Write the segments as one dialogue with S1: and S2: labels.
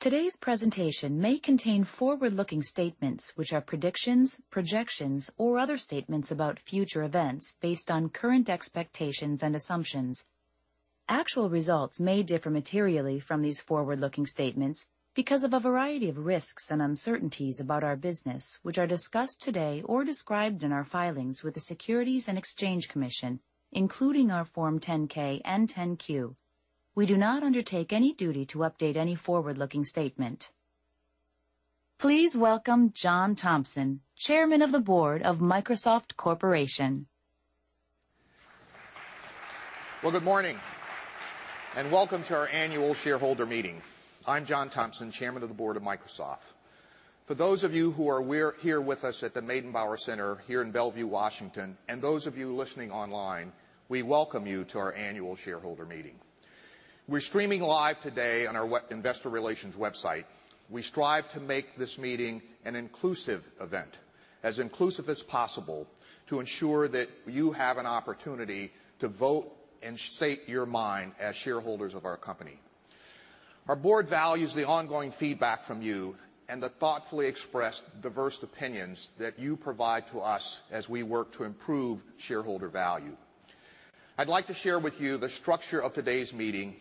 S1: Today's presentation may contain forward-looking statements, which are predictions, projections, or other statements about future events based on current expectations and assumptions. Actual results may differ materially from these forward-looking statements because of a variety of risks and uncertainties about our business, which are discussed today or described in our filings with the Securities and Exchange Commission, including our Form 10-K and 10-Q. We do not undertake any duty to update any forward-looking statement. Please welcome John Thompson, Chairman of the Board of Microsoft Corporation.
S2: Well, good morning, welcome to our annual shareholder meeting. I'm John Thompson, Chairman of the Board of Microsoft. For those of you who are here with us at the Meydenbauer Center here in Bellevue, Washington, those of you listening online, we welcome you to our annual shareholder meeting. We're streaming live today on our investor relations website. We strive to make this meeting an inclusive event, as inclusive as possible, to ensure that you have an opportunity to vote and state your mind as shareholders of our company. Our board values the ongoing feedback from you and the thoughtfully expressed diverse opinions that you provide to us as we work to improve shareholder value. I'd like to share with you the structure of today's meeting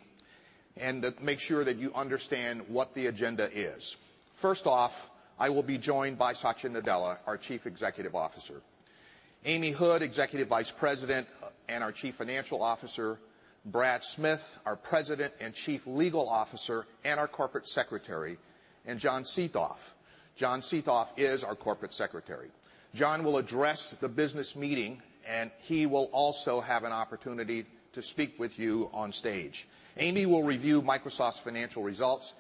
S2: and to make sure that you understand what the agenda is. First off, I will be joined by Satya Nadella, our Chief Executive Officer, Amy Hood, Executive Vice President and our Chief Financial Officer, Brad Smith, our President and Chief Legal Officer, and our Corporate Secretary, and John Seethoff. John Seethoff is our Corporate Secretary. John Seethoff will address the business meeting, he will also have an opportunity to speak with you on stage. Amy will review Microsoft's financial results,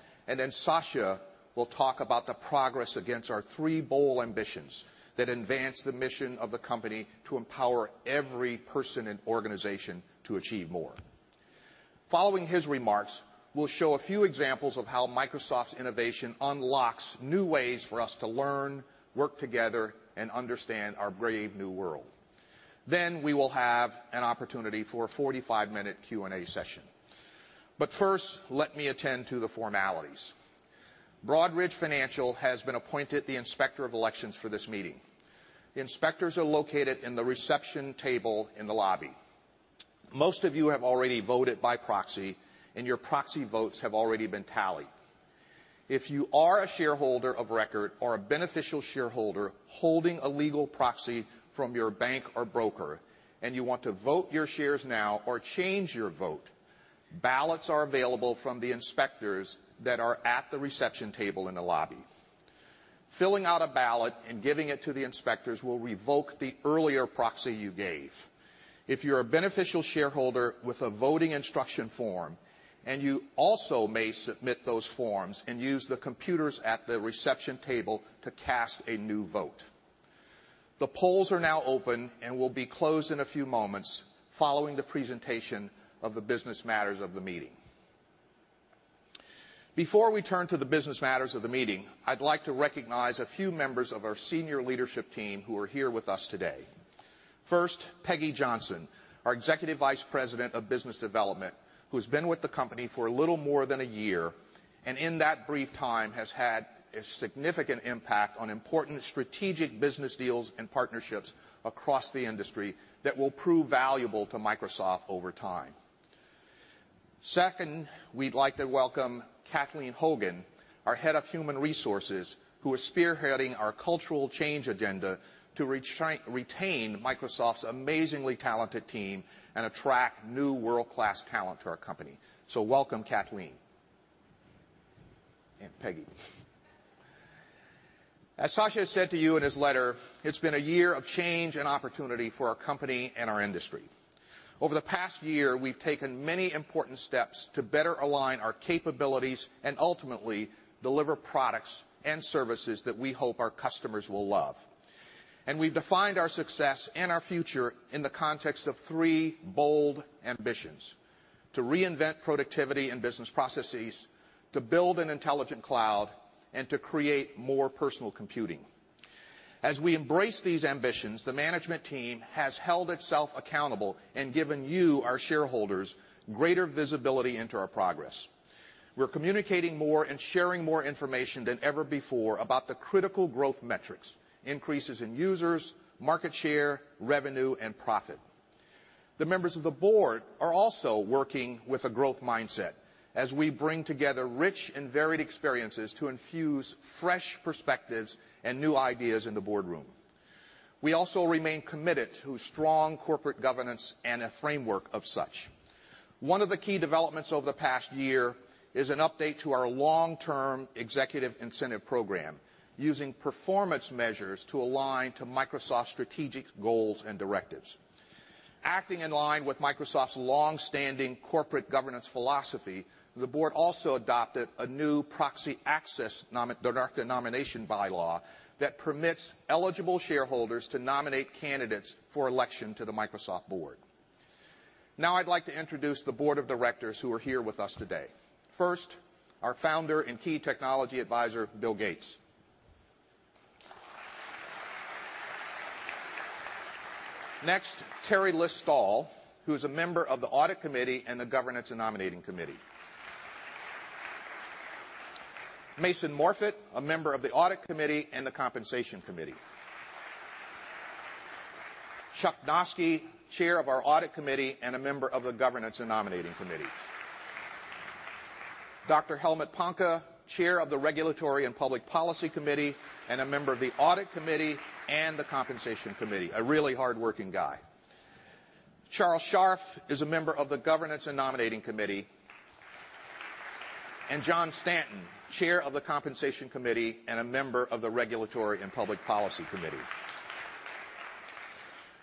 S2: Satya will talk about the progress against our three bold ambitions that advance the mission of the company to empower every person and organization to achieve more. Following his remarks, we'll show a few examples of how Microsoft's innovation unlocks new ways for us to learn, work together, and understand our brave new world. We will have an opportunity for a 45-minute Q&A session. First, let me attend to the formalities. Broadridge Financial has been appointed the Inspector of Elections for this meeting. The inspectors are located in the reception table in the lobby. Most of you have already voted by proxy, your proxy votes have already been tallied. If you are a shareholder of record or a beneficial shareholder holding a legal proxy from your bank or broker and you want to vote your shares now or change your vote, ballots are available from the inspectors that are at the reception table in the lobby. Filling out a ballot and giving it to the inspectors will revoke the earlier proxy you gave. If you're a beneficial shareholder with a voting instruction form, you also may submit those forms and use the computers at the reception table to cast a new vote. The polls are now open and will be closed in a few moments following the presentation of the business matters of the meeting. Before we turn to the business matters of the meeting, I'd like to recognize a few members of our senior leadership team who are here with us today. First, Peggy Johnson, our Executive Vice President of Business Development, who's been with the company for a little more than a year, and in that brief time has had a significant impact on important strategic business deals and partnerships across the industry that will prove valuable to Microsoft over time. Second, we'd like to welcome Kathleen Hogan, our Head of Human Resources, who is spearheading our cultural change agenda to retain Microsoft's amazingly talented team and attract new world-class talent to our company. Welcome, Kathleen and Peggy. As Satya said to you in his letter, it's been a year of change and opportunity for our company and our industry. Over the past year, we've taken many important steps to better align our capabilities and ultimately deliver products and services that we hope our customers will love. We've defined our success and our future in the context of three bold ambitions, to reinvent productivity and business processes, to build an intelligent cloud, and to create more personal computing. As we embrace these ambitions, the management team has held itself accountable and given you, our shareholders, greater visibility into our progress. We're communicating more and sharing more information than ever before about the critical growth metrics, increases in users, market share, revenue, and profit. The members of the board are also working with a growth mindset as we bring together rich and varied experiences to infuse fresh perspectives and new ideas in the boardroom. We also remain committed to strong corporate governance and a framework of such. One of the key developments over the past year is an update to our long-term executive incentive program, using performance measures to align to Microsoft's strategic goals and directives. Acting in line with Microsoft's long-standing corporate governance philosophy, the board also adopted a new proxy access nomination bylaw that permits eligible shareholders to nominate candidates for election to the Microsoft board. I'd like to introduce the board of directors who are here with us today. First, our Founder and Technology Advisor, Bill Gates. Next, Teri List-Stoll, who is a member of the Audit Committee and the Governance and Nominating Committee. Mason Morfit, a member of the Audit Committee and the Compensation Committee. Chuck Noski, Chair of our Audit Committee and a member of the Governance and Nominating Committee. Dr. Helmut Panke, Chair of the Regulatory and Public Policy Committee, and a member of the Audit Committee and the Compensation Committee. A really hardworking guy. Charles Scharf is a member of the Governance and Nominating Committee. John Stanton, Chair of the Compensation Committee and a member of the Regulatory and Public Policy Committee.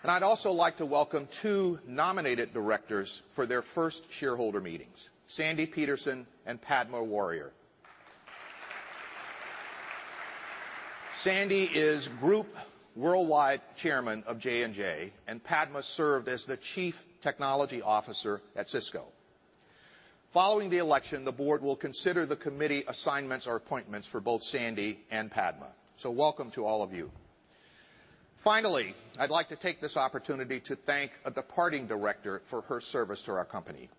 S2: I'd also like to welcome two nominated directors for their first shareholder meetings, Sandy Peterson and Padma Warrior. Sandy is Group Worldwide Chairman of J&J, and Padma served as the Chief Technology Officer at Cisco. Following the election, the board will consider the committee assignments or appointments for both Sandy and Padma. Welcome to all of you. Finally, I'd like to take this opportunity to thank a departing director for her service to our company.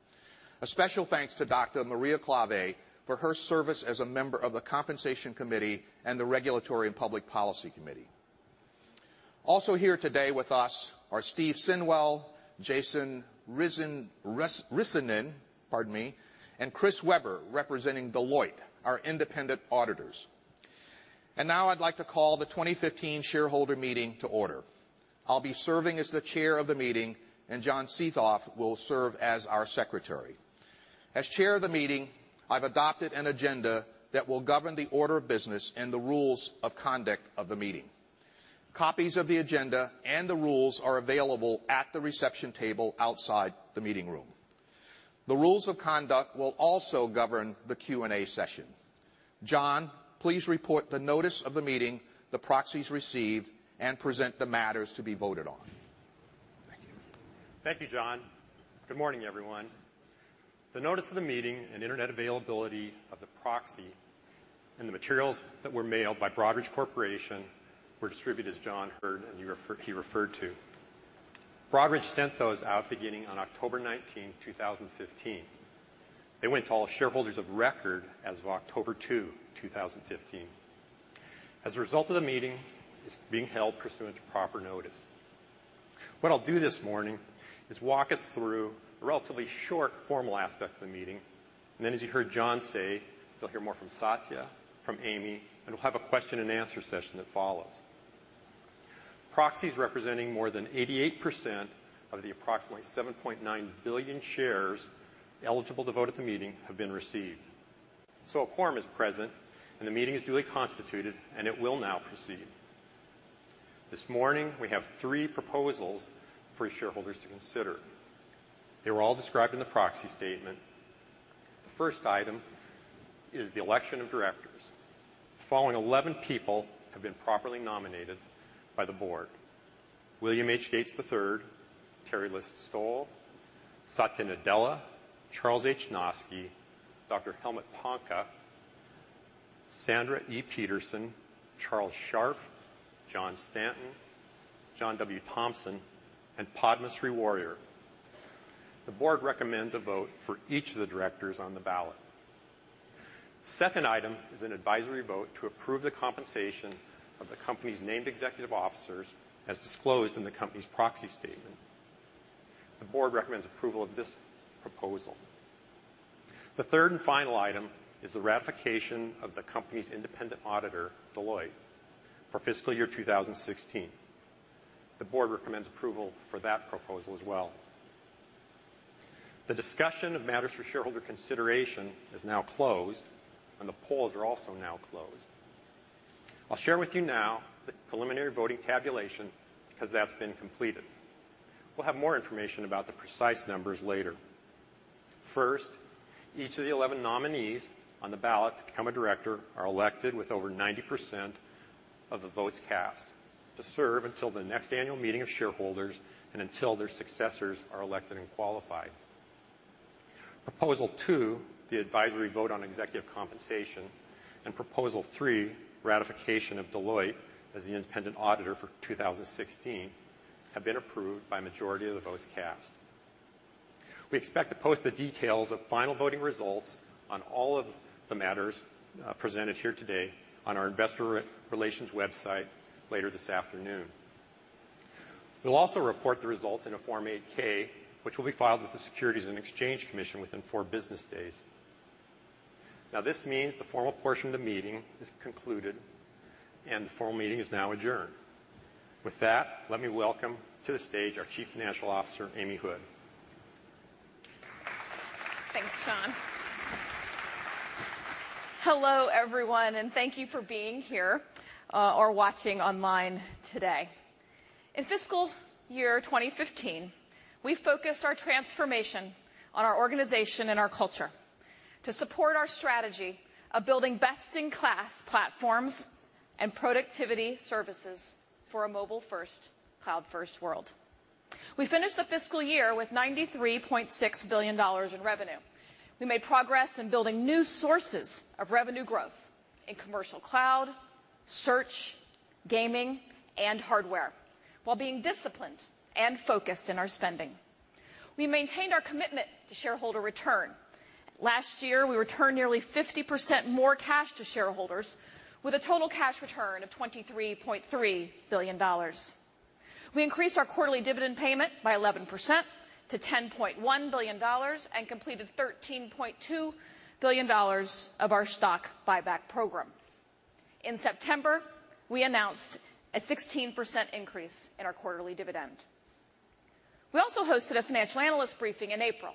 S2: A special thanks to Dr. Maria Klawe for her service as a member of the compensation committee and the regulatory and public policy committee. Also here today with us are Steve Sinwell, Jason Rissanen, pardon me, and Chris Weber, representing Deloitte, our independent auditors. Now I'd like to call the 2015 shareholder meeting to order. I'll be serving as the chair of the meeting, John Seethoff will serve as our secretary. As chair of the meeting, I've adopted an agenda that will govern the order of business and the rules of conduct of the meeting. Copies of the agenda and the rules are available at the reception table outside the meeting room. The rules of conduct will also govern the Q&A session. John, please report the notice of the meeting, the proxies received, and present the matters to be voted on.
S3: Thank you, John. Good morning, everyone. The notice of the meeting and Internet availability of the proxy and the materials that were mailed by Broadridge Corporation were distributed, as John heard, he referred to. Broadridge sent those out beginning on October 19, 2015. They went to all shareholders of record as of October 2, 2015. As a result of the meeting, it's being held pursuant to proper notice. What I'll do this morning is walk us through the relatively short formal aspect of the meeting, then as you heard John say, you'll hear more from Satya, from Amy, we'll have a question and answer session that follows. Proxies representing more than 88% of the approximately 7.9 billion shares eligible to vote at the meeting have been received. A quorum is present, the meeting is duly constituted, it will now proceed. This morning, we have three proposals for shareholders to consider. They were all described in the proxy statement. The first item is the election of directors. The following 11 people have been properly nominated by the board. William H. Gates III, Teri List-Stoll, Satya Nadella, Charles H. Noski, Dr. Helmut Panke, Sandra E. Peterson, Charles Scharf, John Stanton, John W. Thompson, and Padmasree Warrior. The board recommends a vote for each of the directors on the ballot. The second item is an advisory vote to approve the compensation of the company's named executive officers as disclosed in the company's proxy statement. The board recommends approval of this proposal. The third and final item is the ratification of the company's independent auditor, Deloitte, for fiscal year 2016. The board recommends approval for that proposal as well. The discussion of matters for shareholder consideration is now closed. The polls are also now closed. I'll share with you now the preliminary voting tabulation. That's been completed. We'll have more information about the precise numbers later. First, each of the 11 nominees on the ballot to become a director are elected with over 90% of the votes cast to serve until the next annual meeting of shareholders and until their successors are elected and qualified. Proposal two, the advisory vote on executive compensation, and Proposal three, ratification of Deloitte as the independent auditor for 2016, have been approved by a majority of the votes cast. We expect to post the details of final voting results on all of the matters presented here today on our investor relations website later this afternoon. We'll also report the results in a Form 8-K, which will be filed with the Securities and Exchange Commission within four business days. This means the formal portion of the meeting is concluded. The formal meeting is now adjourned. With that, let me welcome to the stage our Chief Financial Officer, Amy Hood.
S4: Thanks, John. Hello, everyone. Thank you for being here or watching online today. In fiscal year 2015, we focused our transformation on our organization and our culture To support our strategy of building best-in-class platforms and productivity services for a mobile-first, cloud-first world. We finished the fiscal year with $93.6 billion in revenue. We made progress in building new sources of revenue growth in commercial cloud, search, gaming, and hardware, while being disciplined and focused in our spending. We maintained our commitment to shareholder return. Last year, we returned nearly 50% more cash to shareholders with a total cash return of $23.3 billion. We increased our quarterly dividend payment by 11% to $10.1 billion and completed $13.2 billion of our stock buyback program. In September, we announced a 16% increase in our quarterly dividend. We also hosted a financial analyst briefing in April,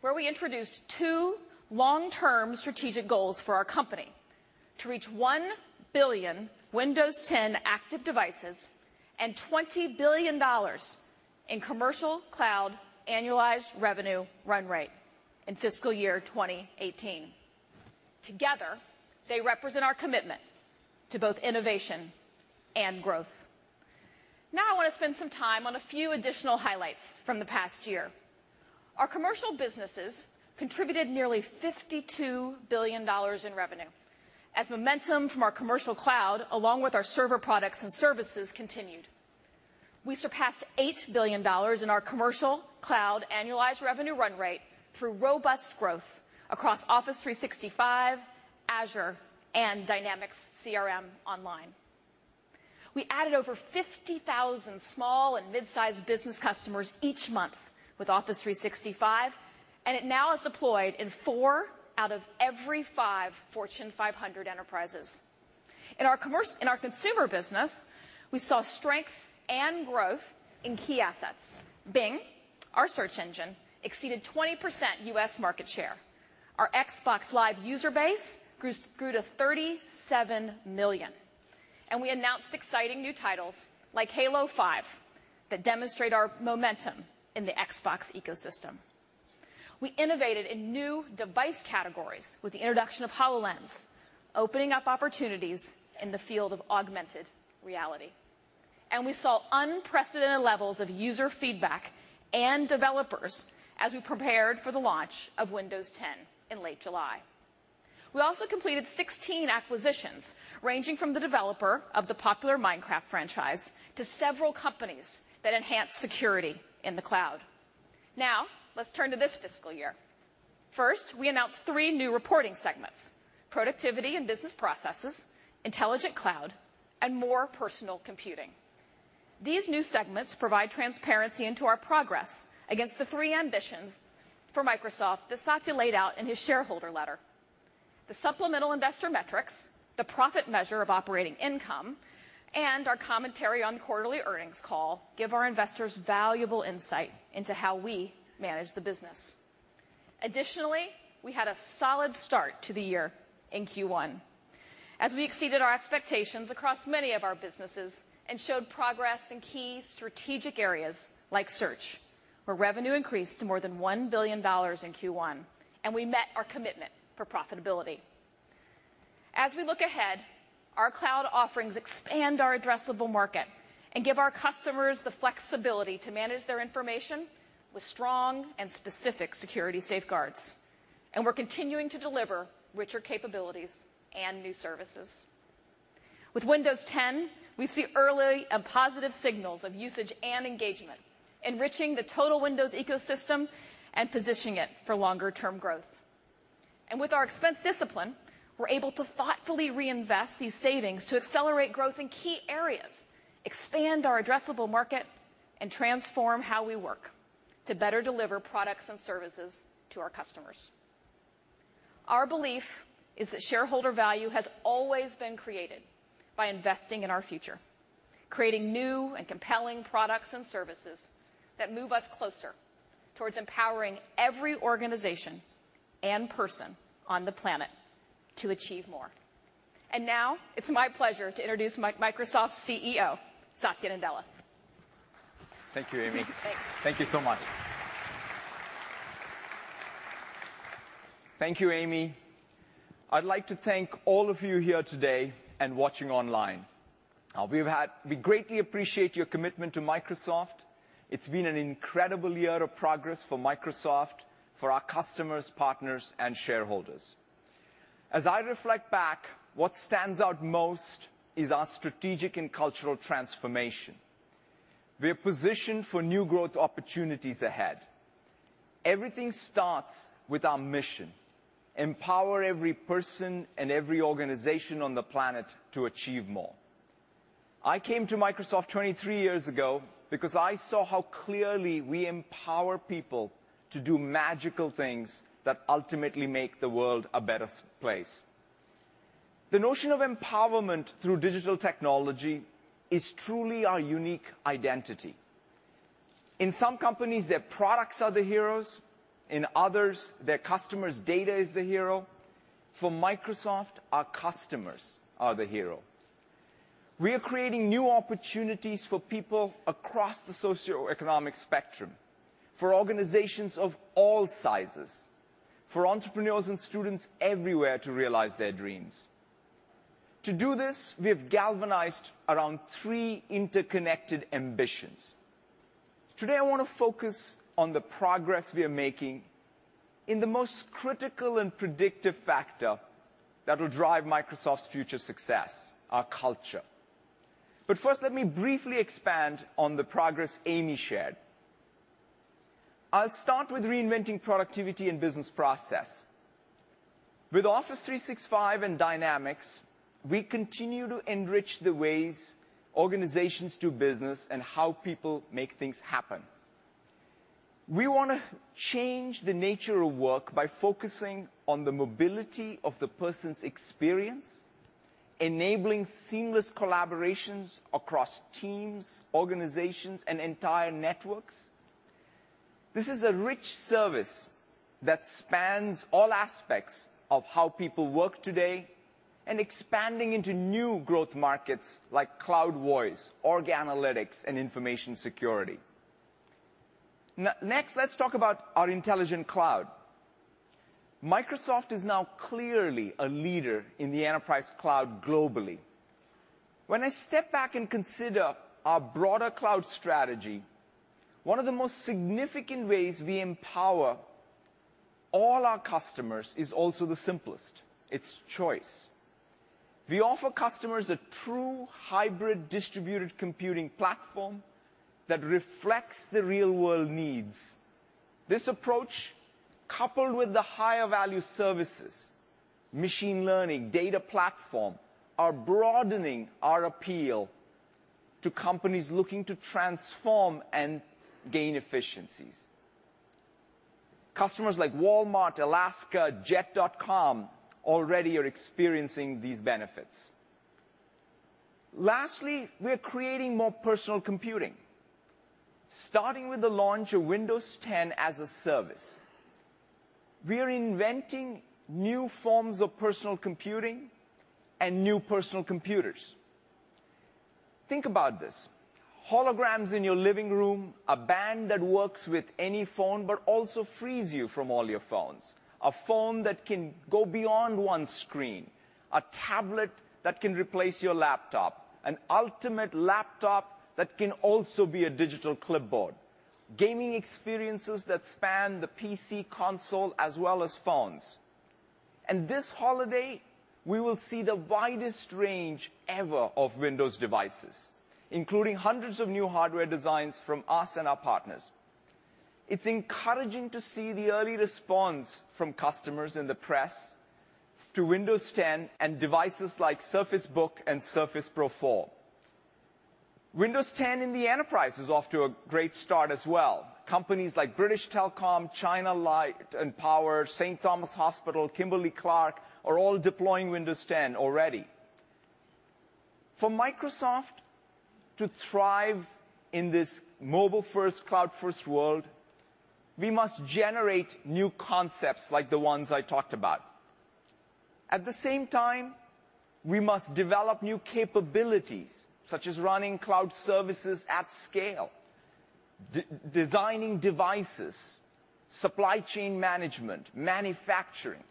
S4: where we introduced two long-term strategic goals for our company to reach 1 billion Windows 10 active devices and $20 billion in commercial cloud annualized revenue run rate in fiscal year 2018. Together, they represent our commitment to both innovation and growth. I want to spend some time on a few additional highlights from the past year. Our commercial businesses contributed nearly $52 billion in revenue as momentum from our commercial cloud, along with our server products and services, continued. We surpassed $8 billion in our commercial cloud annualized revenue run rate through robust growth across Office 365, Azure, and Dynamics CRM Online. We added over 50,000 small and mid-sized business customers each month with Office 365, and it now is deployed in four out of every five Fortune 500 enterprises. In our consumer business, we saw strength and growth in key assets. Bing, our search engine, exceeded 20% U.S. market share. Our Xbox Live user base grew to 37 million, and we announced exciting new titles like Halo 5 that demonstrate our momentum in the Xbox ecosystem. We innovated in new device categories with the introduction of HoloLens, opening up opportunities in the field of augmented reality. We saw unprecedented levels of user feedback and developers as we prepared for the launch of Windows 10 in late July. We also completed 16 acquisitions, ranging from the developer of the popular Minecraft franchise to several companies that enhance security in the cloud. Let's turn to this fiscal year. First, we announced three new reporting segments, Productivity and Business Processes, Intelligent Cloud, and More Personal Computing. These new segments provide transparency into our progress against the three ambitions for Microsoft that Satya laid out in his shareholder letter. The supplemental investor metrics, the profit measure of operating income, and our commentary on the quarterly earnings call give our investors valuable insight into how we manage the business. Additionally, we had a solid start to the year in Q1 as we exceeded our expectations across many of our businesses and showed progress in key strategic areas like search, where revenue increased to more than $1 billion in Q1, and we met our commitment for profitability. As we look ahead, our cloud offerings expand our addressable market and give our customers the flexibility to manage their information with strong and specific security safeguards. We're continuing to deliver richer capabilities and new services. With Windows 10, we see early and positive signals of usage and engagement, enriching the total Windows ecosystem and positioning it for longer-term growth. With our expense discipline, we're able to thoughtfully reinvest these savings to accelerate growth in key areas, expand our addressable market, and transform how we work to better deliver products and services to our customers. Our belief is that shareholder value has always been created by investing in our future, creating new and compelling products and services that move us closer towards empowering every organization and person on the planet to achieve more. Now it's my pleasure to introduce Microsoft's CEO, Satya Nadella.
S5: Thank you, Amy.
S4: Thanks.
S5: Thank you so much. Thank you, Amy. I'd like to thank all of you here today and watching online. We greatly appreciate your commitment to Microsoft. It's been an incredible year of progress for Microsoft, for our customers, partners, and shareholders. As I reflect back, what stands out most is our strategic and cultural transformation. We are positioned for new growth opportunities ahead. Everything starts with our mission: empower every person and every organization on the planet to achieve more. I came to Microsoft 23 years ago because I saw how clearly we empower people to do magical things that ultimately make the world a better place. The notion of empowerment through digital technology is truly our unique identity. In some companies, their products are the heroes. In others, their customers' data is the hero. For Microsoft, our customers are the hero. We are creating new opportunities for people across the socioeconomic spectrum, for organizations of all sizes, for entrepreneurs and students everywhere to realize their dreams. To do this, we have galvanized around three interconnected ambitions. Today, I want to focus on the progress we are making in the most critical and predictive factor that will drive Microsoft's future success, our culture. First, let me briefly expand on the progress Amy shared. I'll start with reinventing productivity and business process. With Office 365 and Dynamics, we continue to enrich the ways organizations do business and how people make things happen. We want to change the nature of work by focusing on the mobility of the person's experience, enabling seamless collaborations across teams, organizations, and entire networks. This is a rich service that spans all aspects of how people work today and expanding into new growth markets like cloud voice, org analytics, and information security. Next, let's talk about our intelligent cloud. Microsoft is now clearly a leader in the enterprise cloud globally. When I step back and consider our broader cloud strategy, one of the most significant ways we empower all our customers is also the simplest. It's choice. We offer customers a true hybrid distributed computing platform that reflects the real-world needs. This approach, coupled with the higher value services, machine learning, data platform, are broadening our appeal to companies looking to transform and gain efficiencies. Customers like Walmart, Alaska, Jet.com already are experiencing these benefits. Lastly, we're creating more personal computing, starting with the launch of Windows 10 as a service. We are inventing new forms of personal computing and new personal computers. Think about this. Holograms in your living room, a band that works with any phone but also frees you from all your phones, a phone that can go beyond one screen, a tablet that can replace your laptop, an ultimate laptop that can also be a digital clipboard, gaming experiences that span the PC console as well as phones. This holiday, we will see the widest range ever of Windows devices, including hundreds of new hardware designs from us and our partners. It's encouraging to see the early response from customers in the press to Windows 10 and devices like Surface Book and Surface Pro 4. Windows 10 in the enterprise is off to a great start as well. Companies like British Telecom, China Light and Power, St. Thomas Hospital, Kimberly-Clark are all deploying Windows 10 already. For Microsoft to thrive in this mobile-first, cloud-first world, we must generate new concepts like the ones I talked about. At the same time, we must develop new capabilities, such as running cloud services at scale, designing devices, supply chain management, manufacturing.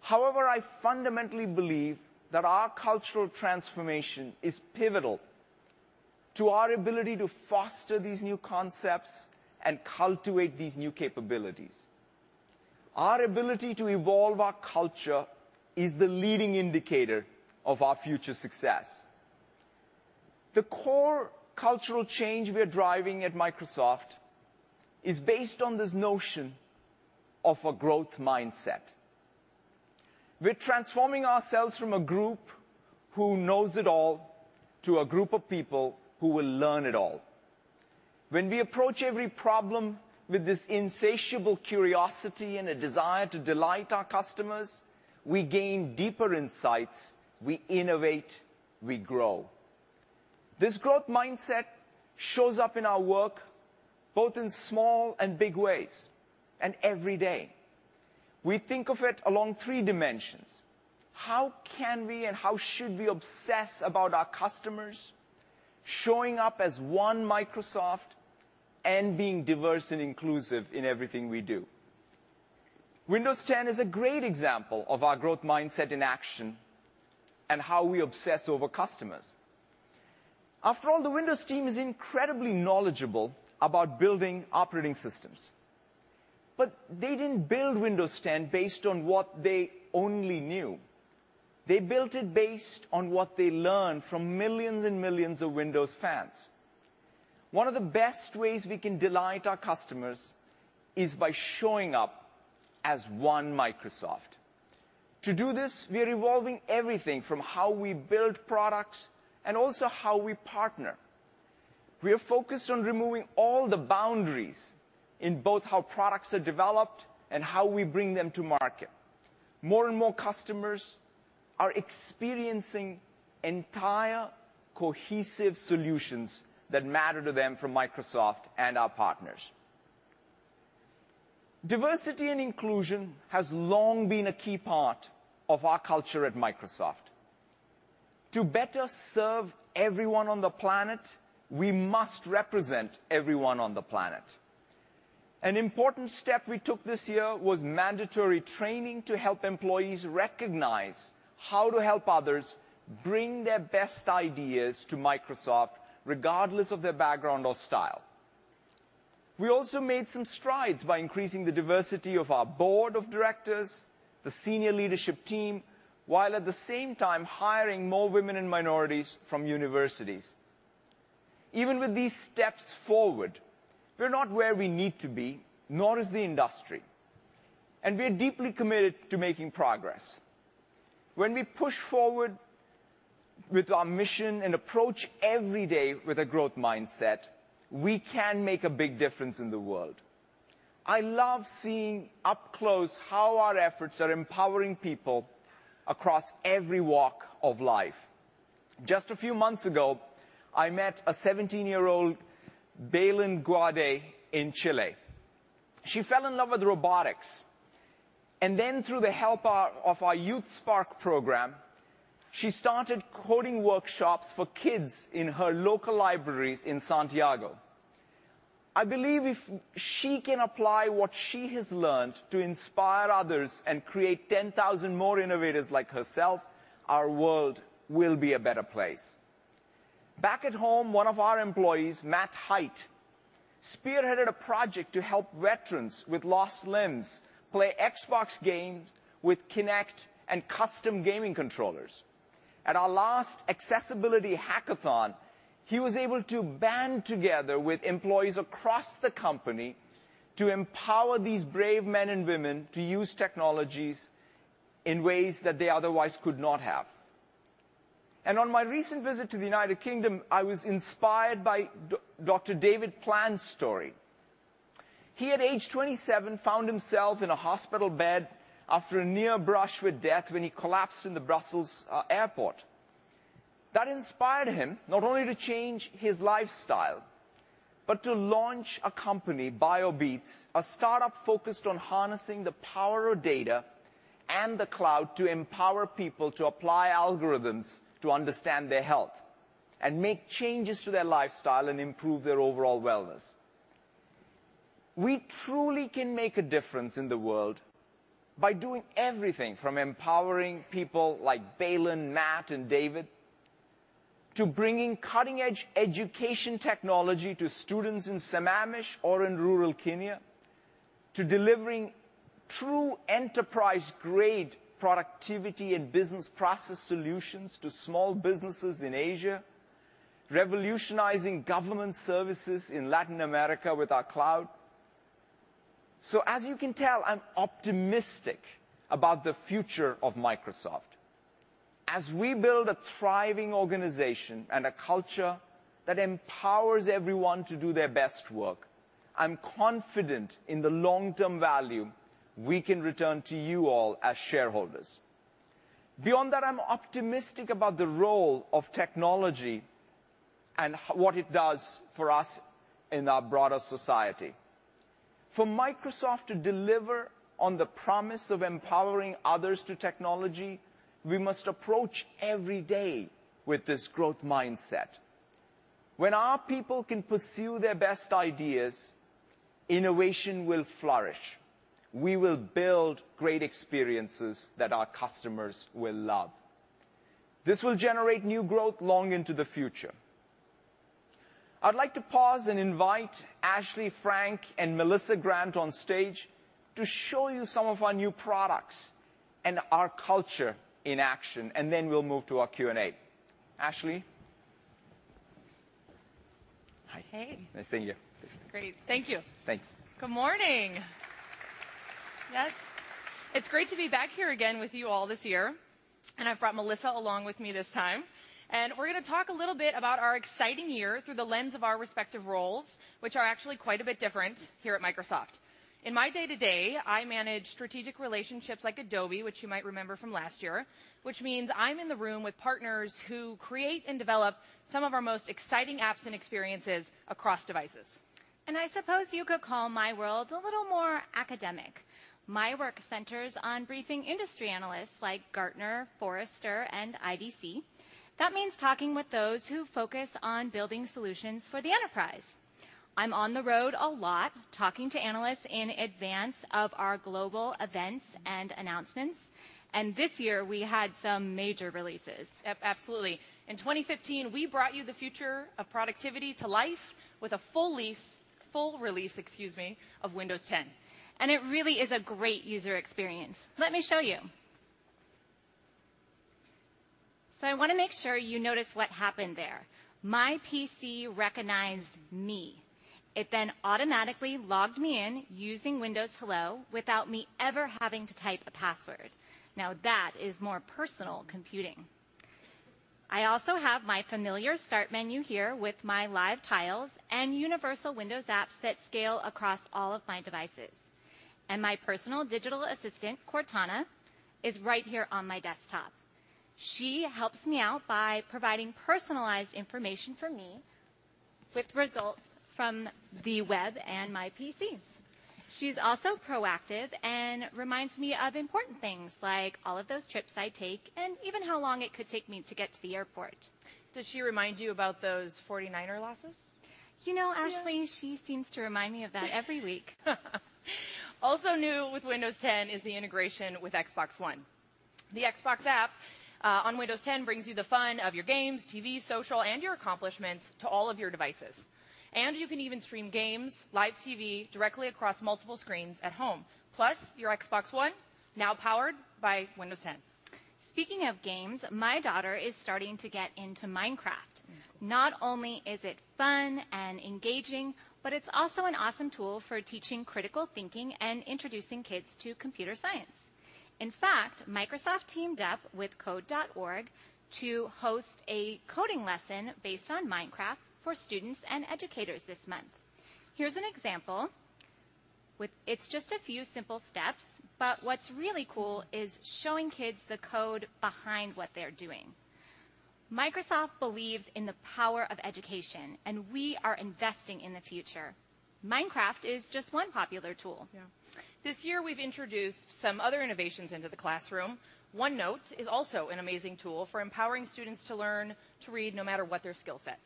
S5: However, I fundamentally believe that our cultural transformation is pivotal to our ability to foster these new concepts and cultivate these new capabilities. Our ability to evolve our culture is the leading indicator of our future success. The core cultural change we are driving at Microsoft is based on this notion of a growth mindset. We're transforming ourselves from a group who knows it all to a group of people who will learn it all. When we approach every problem with this insatiable curiosity and a desire to delight our customers, we gain deeper insights. We innovate, we grow. This growth mindset shows up in our work both in small and big ways, every day. We think of it along three dimensions. How can we and how should we obsess about our customers, showing up as One Microsoft, and being diverse and inclusive in everything we do? Windows 10 is a great example of our growth mindset in action and how we obsess over customers. After all, the Windows team is incredibly knowledgeable about building operating systems. They didn't build Windows 10 based on what they only knew. They built it based on what they learned from millions and millions of Windows fans. One of the best ways we can delight our customers is by showing up as One Microsoft. To do this, we are evolving everything from how we build products and also how we partner. We are focused on removing all the boundaries in both how products are developed and how we bring them to market. More and more customers are experiencing entire cohesive solutions that matter to them from Microsoft and our partners. Diversity and inclusion has long been a key part of our culture at Microsoft. To better serve everyone on the planet, we must represent everyone on the planet. An important step we took this year was mandatory training to help employees recognize how to help others bring their best ideas to Microsoft, regardless of their background or style. We also made some strides by increasing the diversity of our board of directors, the senior leadership team, while at the same time hiring more women and minorities from universities. Even with these steps forward, we're not where we need to be, nor is the industry, and we're deeply committed to making progress. When we push forward with our mission and approach every day with a growth mindset, we can make a big difference in the world. I love seeing up close how our efforts are empowering people across every walk of life. Just a few months ago, I met a 17-year-old, Belén Guade, in Chile. She fell in love with robotics, then through the help of our YouthSpark program, she started coding workshops for kids in her local libraries in Santiago. I believe if she can apply what she has learned to inspire others and create 10,000 more innovators like herself, our world will be a better place. Back at home, one of our employees, Matt Height, spearheaded a project to help veterans with lost limbs play Xbox games with Kinect and custom gaming controllers. At our last accessibility hackathon, he was able to band together with employees across the company to empower these brave men and women to use technologies in ways that they otherwise could not have. On my recent visit to the U.K., I was inspired by Dr. David Plans' story. He, at age 27, found himself in a hospital bed after a near brush with death when he collapsed in the Brussels Airport. That inspired him not only to change his lifestyle but to launch a company, BioBeats, a startup focused on harnessing the power of data and the cloud to empower people to apply algorithms to understand their health and make changes to their lifestyle and improve their overall wellness. We truly can make a difference in the world by doing everything from empowering people like Belén, Matt, and David to bringing cutting-edge education technology to students in Sammamish or in rural Kenya, to delivering true enterprise-grade productivity and business process solutions to small businesses in Asia, revolutionizing government services in Latin America with our cloud. As you can tell, I'm optimistic about the future of Microsoft. As we build a thriving organization and a culture that empowers everyone to do their best work, I'm confident in the long-term value we can return to you all as shareholders. Beyond that, I'm optimistic about the role of technology and what it does for us in our broader society. For Microsoft to deliver on the promise of empowering others to technology, we must approach every day with this growth mindset. When our people can pursue their best ideas, innovation will flourish. We will build great experiences that our customers will love. This will generate new growth long into the future. I'd like to pause and invite Ashley Frank and Melissa Grant on stage to show you some of our new products and our culture in action, then we'll move to our Q&A. Ashley. Hi. Nice seeing you. Great. Thank you. Thanks. Good morning. Yes, it's great to be back here again with you all this year, and I've brought Melissa along with me this time, and we're going to talk a little bit about our exciting year through the lens of our respective roles, which are actually quite a bit different here at Microsoft. In my day-to-day, I manage strategic relationships like Adobe, which you might remember from last year, which means I'm in the room with partners who create and develop some of our most exciting apps and experiences across devices.
S6: I suppose you could call my world a little more academic. My work centers on briefing industry analysts like Gartner, Forrester, and IDC. That means talking with those who focus on building solutions for the enterprise. I'm on the road a lot talking to analysts in advance of our global events and announcements, and this year we had some major releases. Yep, absolutely. In 2015, we brought you the future of productivity to life with a full release, excuse me, of Windows 10. It really is a great user experience. Let me show you. I want to make sure you notice what happened there. My PC recognized me. It then automatically logged me in using Windows Hello without me ever having to type a password. That is more personal computing. I also have my familiar start menu here with my live tiles and universal Windows apps that scale across all of my devices. My personal digital assistant, Cortana, is right here on my desktop. She helps me out by providing personalized information for me with results from the web and my PC. She's also proactive and reminds me of important things like all of those trips I take and even how long it could take me to get to the airport. Does she remind you about those 49ers losses? You know, Ashley, she seems to remind me of that every week. Also new with Windows 10 is the integration with Xbox One. The Xbox app on Windows 10 brings you the fun of your games, TV, social, and your accomplishments to all of your devices. You can even stream games, live TV directly across multiple screens at home. Plus, your Xbox One now powered by Windows 10. Speaking of games, my daughter is starting to get into Minecraft. Not only is it fun and engaging, but it's also an awesome tool for teaching critical thinking and introducing kids to computer science. In fact, Microsoft teamed up with Code.org to host a coding lesson based on Minecraft for students and educators this month. Here's an example. It's just a few simple steps, but what's really cool is showing kids the code behind what they're doing. Microsoft believes in the power of education, and we are investing in the future. Minecraft is just one popular tool. Yeah. This year we've introduced some other innovations into the classroom. OneNote is also an amazing tool for empowering students to learn to read no matter what their skillset.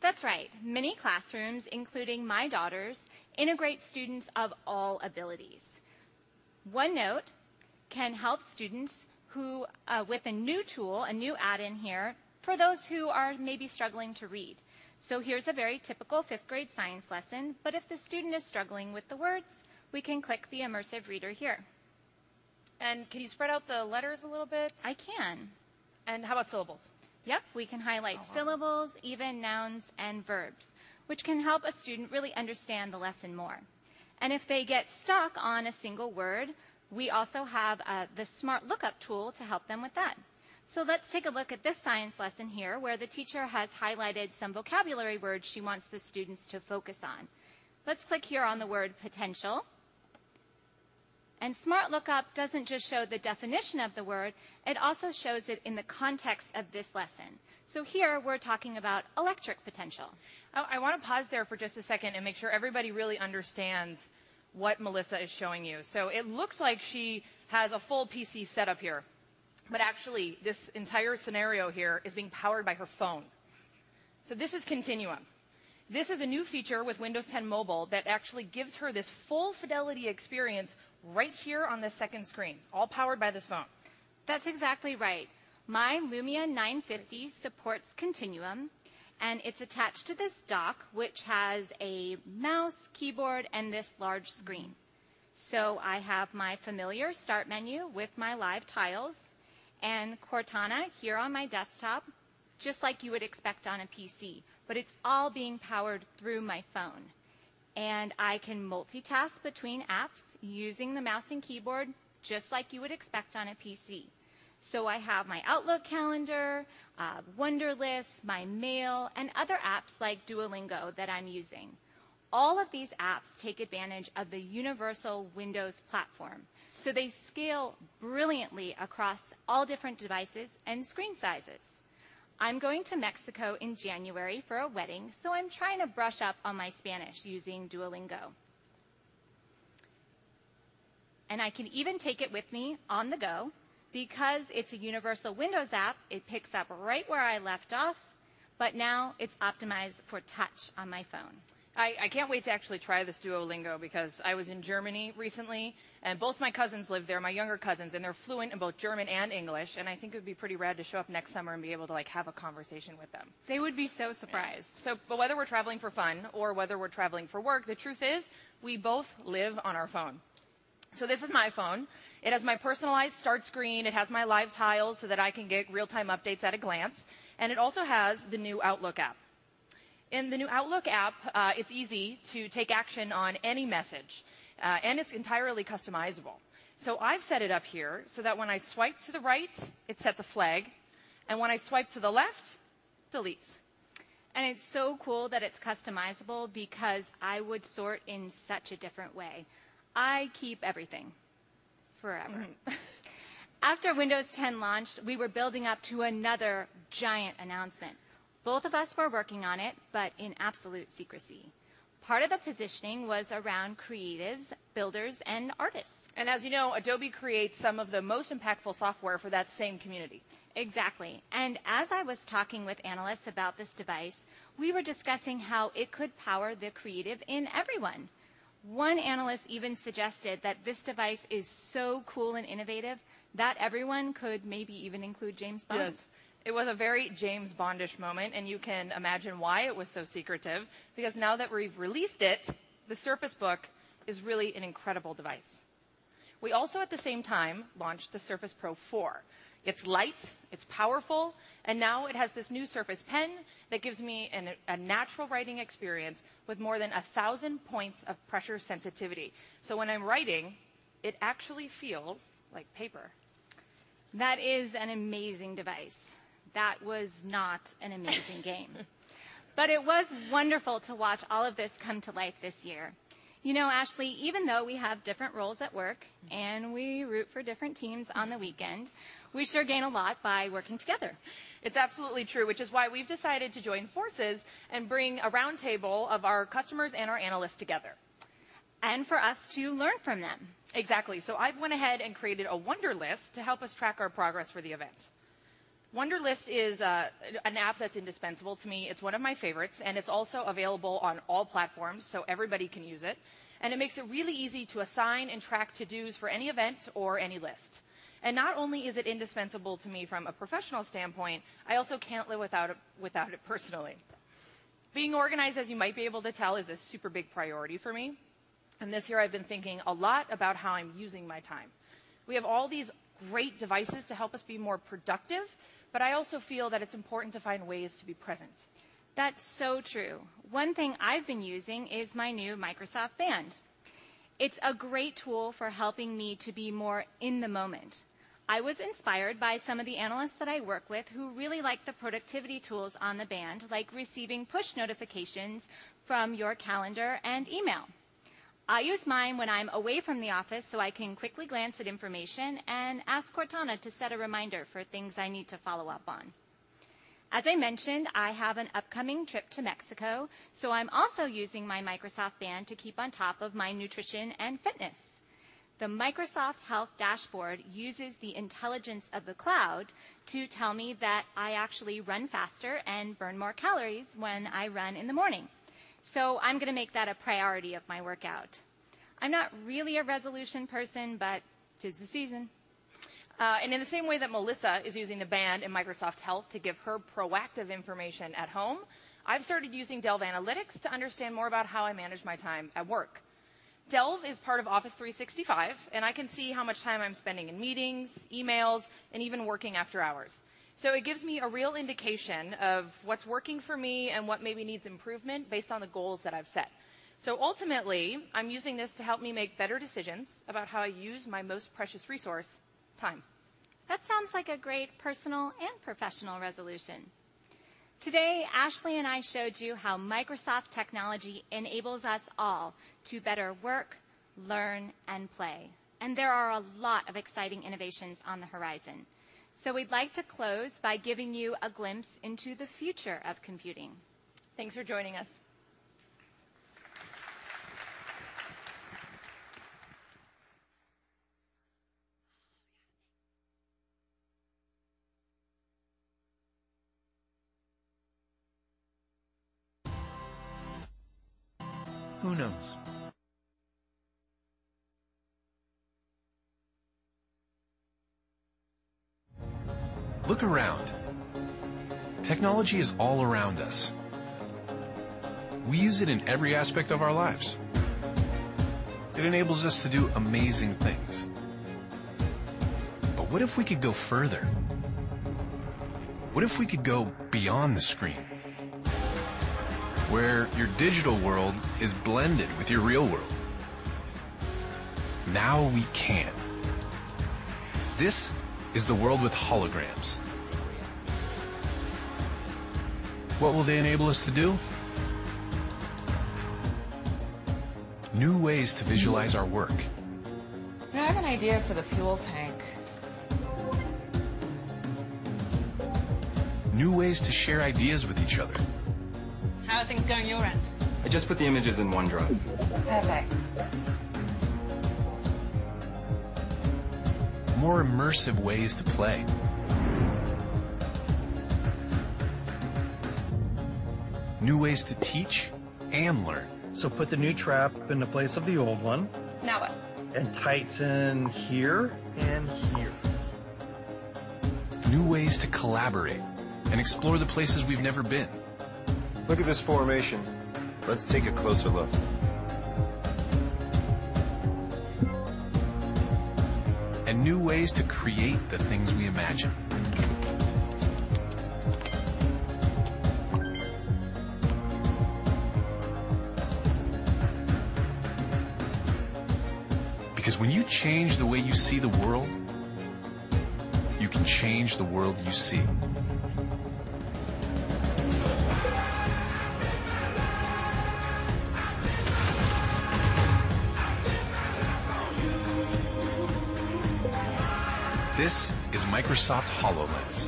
S6: That's right. Many classrooms, including my daughter's, integrate students of all abilities. OneNote can help students with a new tool, a new add-in here, for those who are maybe struggling to read. Here's a very typical fifth-grade science lesson, but if the student is struggling with the words, we can click the Immersive Reader here. Can you spread out the letters a little bit? I can. How about syllables? Yep, we can highlight syllables. Oh, awesome. Even nouns and verbs, which can help a student really understand the lesson more. If they get stuck on a single word, we also have the Smart Lookup tool to help them with that. Let's take a look at this science lesson here, where the teacher has highlighted some vocabulary words she wants the students to focus on. Let's click here on the word potential. Smart Lookup doesn't just show the definition of the word, it also shows it in the context of this lesson. Here we're talking about electric potential. Oh, I want to pause there for just a second and make sure everybody really understands what Melissa is showing you. It looks like she has a full PC set up here, but actually, this entire scenario here is being powered by her phone. This is Continuum. This is a new feature with Windows 10 Mobile that actually gives her this full fidelity experience right here on the second screen, all powered by this phone. That's exactly right. My Lumia 950 supports Continuum, and it's attached to this dock, which has a mouse, keyboard, and this large screen. I have my familiar start menu with my live tiles and Cortana here on my desktop, just like you would expect on a PC, but it's all being powered through my phone. I can multitask between apps using the mouse and keyboard, just like you would expect on a PC. I have my Outlook calendar, Wunderlist, my mail, and other apps like Duolingo that I'm using. All of these apps take advantage of the universal Windows platform, so they scale brilliantly across all different devices and screen sizes. I'm going to Mexico in January for a wedding, so I'm trying to brush up on my Spanish using Duolingo. I can even take it with me on the go. it's a universal Windows app, it picks up right where I left off, but now it's optimized for touch on my phone. I can't wait to actually try this Duolingo because I was in Germany recently, and both my cousins live there, my younger cousins, and they're fluent in both German and English, and I think it would be pretty rad to show up next summer and be able to have a conversation with them. They would be so surprised. Whether we're traveling for fun or whether we're traveling for work, the truth is we both live on our phone. This is my phone. It has my personalized start screen. It has my live tiles so that I can get real-time updates at a glance, and it also has the new Outlook app. In the new Outlook app, it's easy to take action on any message. It's entirely customizable. I've set it up here so that when I swipe to the right, it sets a flag, and when I swipe to the left, deletes. It's so cool that it's customizable because I would sort in such a different way. I keep everything forever. After Windows 10 launched, we were building up to another giant announcement. Both of us were working on it, but in absolute secrecy. Part of the positioning was around creatives, builders, and artists. As you know, Adobe creates some of the most impactful software for that same community. Exactly. As I was talking with analysts about this device, we were discussing how it could power the creative in everyone. One analyst even suggested that this device is so cool and innovative that everyone could maybe even include James Bond. It was a very James Bond-ish moment, and you can imagine why it was so secretive because now that we've released it, the Surface Book is really an incredible device. We also at the same time launched the Surface Pro 4. It's light, it's powerful, and now it has this new Surface Pen that gives me a natural writing experience with more than 1,000 points of pressure sensitivity. When I'm writing, it actually feels like paper. That is an amazing device. That was not an amazing game. It was wonderful to watch all of this come to life this year. You know, Ashley, even though we have different roles at work, and we root for different teams on the weekend, we sure gain a lot by working together. It's absolutely true, which is why we've decided to join forces and bring a roundtable of our customers and our analysts together. For us to learn from them. Exactly. I went ahead and created a Wunderlist to help us track our progress for the event. Wunderlist is an app that's indispensable to me. It's one of my favorites, and it's also available on all platforms, so everybody can use it, and it makes it really easy to assign and track to-dos for any event or any list. Not only is it indispensable to me from a professional standpoint, I also can't live without it personally. Being organized, as you might be able to tell, is a super big priority for me, and this year I've been thinking a lot about how I'm using my time. We have all these great devices to help us be more productive, I also feel that it's important to find ways to be present. That's so true. One thing I've been using is my new Microsoft Band. It's a great tool for helping me to be more in the moment. I was inspired by some of the analysts that I work with who really like the productivity tools on the band, like receiving push notifications from your calendar and email. I use mine when I'm away from the office so I can quickly glance at information and ask Cortana to set a reminder for things I need to follow up on. As I mentioned, I have an upcoming trip to Mexico, so I'm also using my Microsoft Band to keep on top of my nutrition and fitness. The Microsoft Health dashboard uses the intelligence of the cloud to tell me that I actually run faster and burn more calories when I run in the morning. I'm going to make that a priority of my workout. I'm not really a resolution person, 'tis the season. In the same way that Melissa is using the band and Microsoft Health to give her proactive information at home, I've started using Delve Analytics to understand more about how I manage my time at work. Delve is part of Office 365. I can see how much time I'm spending in meetings, emails, and even working after hours. It gives me a real indication of what's working for me and what maybe needs improvement based on the goals that I've set. Ultimately, I'm using this to help me make better decisions about how I use my most precious resource, time. That sounds like a great personal and professional resolution. Today, Ashley and I showed you how Microsoft technology enables us all to better work, learn, and play. There are a lot of exciting innovations on the horizon. We'd like to close by giving you a glimpse into the future of computing. Thanks for joining us.
S1: Who knows? Look around. Technology is all around us. We use it in every aspect of our lives. It enables us to do amazing things. What if we could go further? What if we could go beyond the screen, where your digital world is blended with your real world? Now we can. This is the world with holograms. What will they enable us to do? New ways to visualize our work.
S7: I have an idea for the fuel tank.
S1: New ways to share ideas with each other.
S3: How are things going your end?
S8: I just put the images in OneDrive.
S3: Perfect.
S1: More immersive ways to play. New ways to teach and learn.
S3: Put the new trap into place of the old one.
S1: Now what?
S3: Tighten here and here.
S1: New ways to collaborate and explore the places we've never been. Look at this formation.
S6: Let's take a closer look.
S1: New ways to create the things we imagine. Because when you change the way you see the world, you can change the world you see. This is Microsoft HoloLens.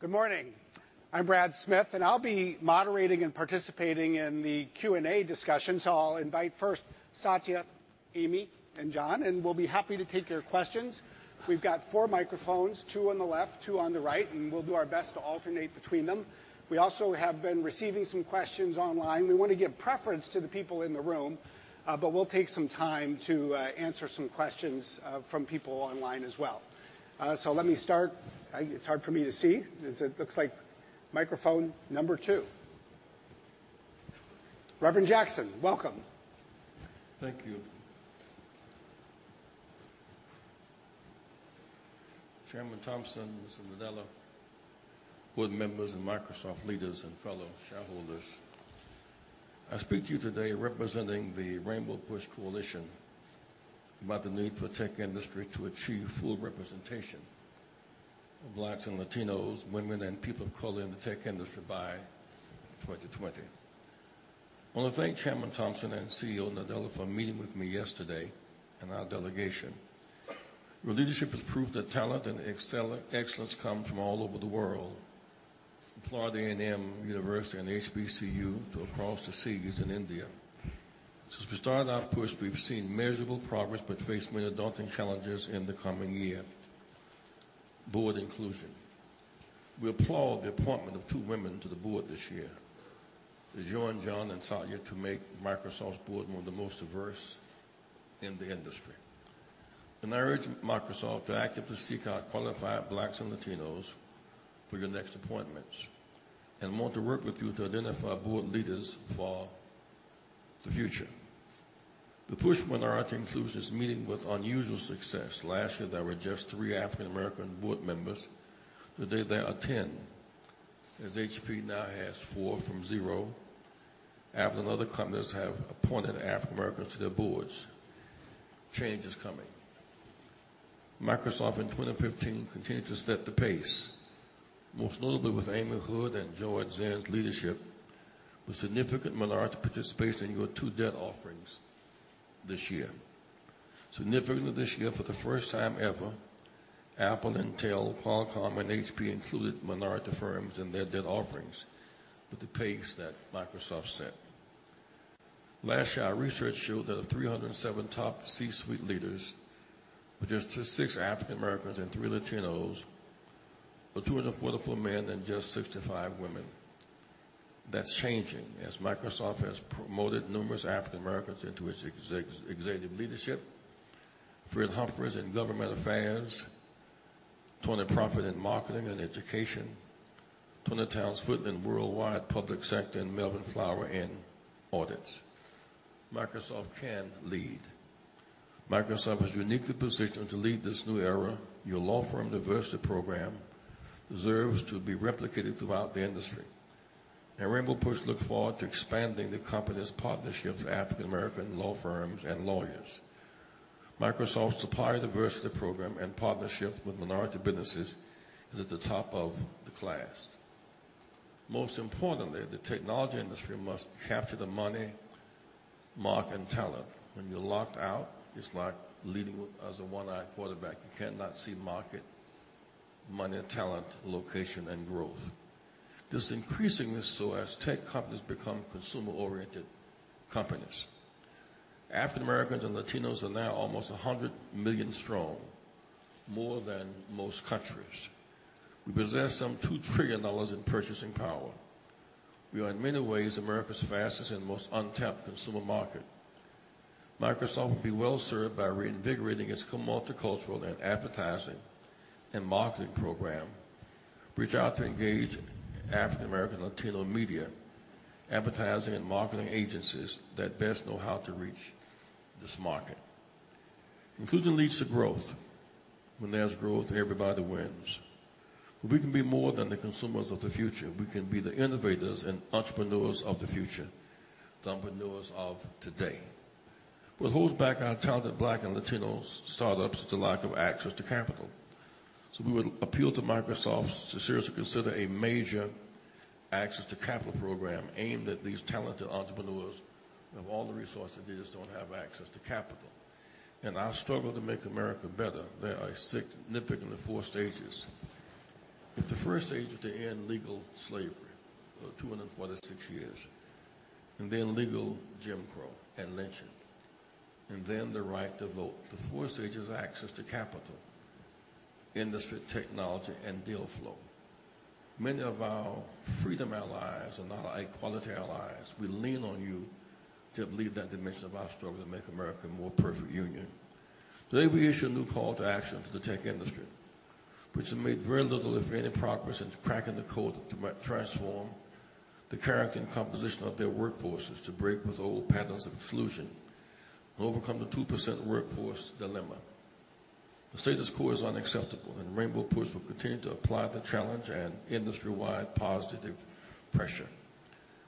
S7: Good morning. I'm Brad Smith, and I'll be moderating and participating in the Q&A discussion. I'll invite first Satya, Amy, and John, and we'll be happy to take your questions. We've got four microphones, two on the left, two on the right, and we'll do our best to alternate between them. We also have been receiving some questions online. We want to give preference to the people in the room, but we'll take some time to answer some questions from people online as well. Let me start. It's hard for me to see. It looks like microphone number 2. Reverend Jackson, welcome.
S9: Thank you. Chairman Thompson, Mr. Nadella, board members, and Microsoft leaders and fellow shareholders, I speak to you today representing the Rainbow Push Coalition about the need for tech industry to achieve full representation. Of Blacks and Latinos, women and people of color in the tech industry by 2020. I want to thank Chairman Thompson and CEO Nadella for meeting with me yesterday, and our delegation. Your leadership has proved that talent and excellence come from all over the world, from Florida A&M University, an HBCU, to across the seas in India. Since we started our push, we've seen measurable progress, but face many daunting challenges in the coming year. Board inclusion. We applaud the appointment of two women to the board this year to join John and Satya to make Microsoft's board one of the most diverse in the industry. I urge Microsoft to actively seek out qualified Blacks and Latinos for your next appointments, and want to work with you to identify board leaders for the future. The push for minority inclusion is meeting with unusual success. Last year, there were just three African American board members. Today, there are 10. As HP now has four from zero, Apple and other companies have appointed African Americans to their boards. Change is coming. Microsoft in 2015 continued to set the pace, most notably with Amy Hood and Joe Zinn's leadership, with significant minority participation in your two debt offerings this year. Significantly this year, for the first time ever, Apple, Intel, Qualcomm, and HP included minority firms in their debt offerings with the pace that Microsoft set. Last year, our research showed that of 307 top C-suite leaders, there were just six African Americans and three Latinos, but 244 men and just 65 women. That's changing as Microsoft has promoted numerous African Americans into its executive leadership. Fred Humphries in Government Affairs, Tony Prophet in Marketing and Education, Toni Townes-Whitley, Worldwide Public Sector, and Melvin Flower in Audits. Microsoft can lead. Microsoft is uniquely positioned to lead this new era. Your law firm diversity program deserves to be replicated throughout the industry. Rainbow PUSH looks forward to expanding the company's partnerships with African American law firms and lawyers. Microsoft's supplier diversity program and partnership with minority businesses is at the top of the class. Most importantly, the technology industry must capture the money, market, and talent. When you're locked out, it's like leading as a one-eyed quarterback. You cannot see market, money, talent, location, and growth. This is increasing as tech companies become consumer-oriented companies. African Americans and Latinos are now almost 100 million strong, more than most countries. We possess some $2 trillion in purchasing power. We are in many ways America's fastest and most untapped consumer market. Microsoft would be well-served by reinvigorating its multicultural and advertising and marketing program. Reach out to engage African American and Latino media, advertising and marketing agencies that best know how to reach this market. Inclusion leads to growth. When there's growth, everybody wins. We can be more than the consumers of the future. We can be the innovators and entrepreneurs of the future, the entrepreneurs of today. What holds back our talented Black and Latino startups is the lack of access to capital. We would appeal to Microsoft to seriously consider a major access to capital program aimed at these talented entrepreneurs who have all the resources. They just don't have access to capital. In our struggle to make America better, there are significantly 4 stages. The 1st stage is to end legal slavery of 246 years, and then legal Jim Crow and lynching, and then the right to vote. The 4th stage is access to capital, industry, technology, and deal flow. Many of our freedom allies are now our equality allies. We lean on you to lead that dimension of our struggle to make America a more perfect union. Today, we issue a new call to action to the tech industry, which has made very little, if any, progress into cracking the code to transform the character and composition of their workforces to break with old patterns of exclusion and overcome the 2% workforce dilemma. The status quo is unacceptable. Rainbow PUSH will continue to apply the challenge and industry-wide positive pressure.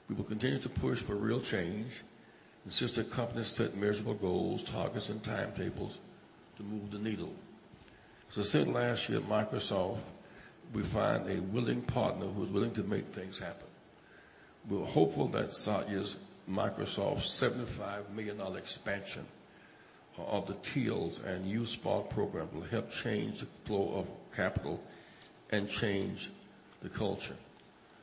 S9: We will continue to push for real change, insist that companies set measurable goals, targets, and timetables to move the needle. As I said last year, Microsoft, we find a willing partner who's willing to make things happen. We're hopeful that Satya's Microsoft $75 million expansion of the TEALS and YouthSpark program will help change the flow of capital and change the culture.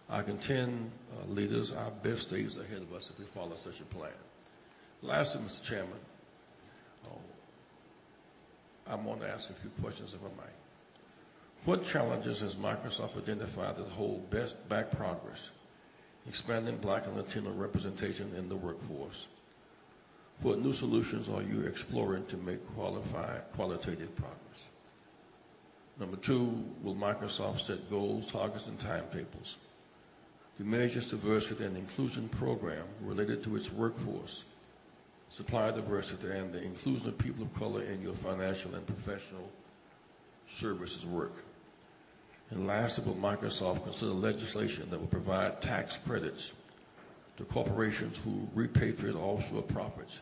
S9: I contend, leaders, our best days are ahead of us if we follow such a plan. Lastly, Mr. Chairman, I want to ask a few questions, if I might. What challenges has Microsoft identified that hold back progress expanding Black and Latino representation in the workforce? What new solutions are you exploring to make qualitative progress? Number 2, will Microsoft set goals, targets, and timetables to measure its diversity and inclusion program related to its workforce, supplier diversity, and the inclusion of people of color in your financial and professional services work? Lastly, will Microsoft consider legislation that would provide tax credits to corporations who repatriate offshore profits?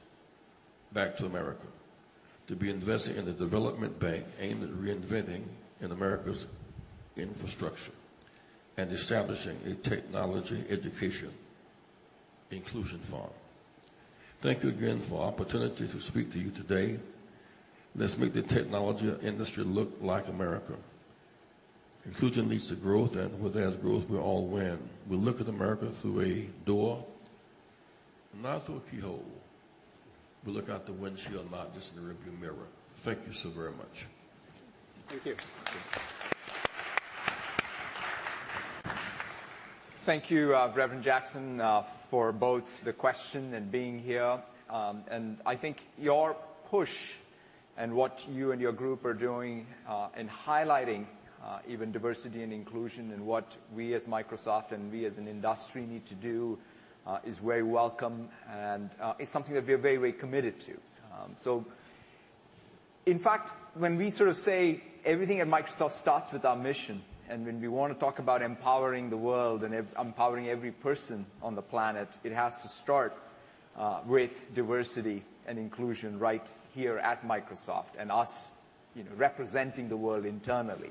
S9: Back to America to be invested in the development bank aimed at reinventing America's infrastructure and establishing a technology education inclusion fund. Thank you again for the opportunity to speak to you today. Let's make the technology industry look like America. Inclusion leads to growth, and with growth, we all win. We look at America through a door, not through a keyhole. We look out the windshield, not just in the rearview mirror. Thank you so very much.
S5: Thank you. Thank you, Reverend Jackson, for both the question and being here. I think your push and what you and your group are doing in highlighting even diversity and inclusion and what we as Microsoft and we as an industry need to do is very welcome, and it's something that we are very committed to. In fact, when we say everything at Microsoft starts with our mission, when we want to talk about empowering the world and empowering every person on the planet, it has to start with diversity and inclusion right here at Microsoft and us representing the world internally.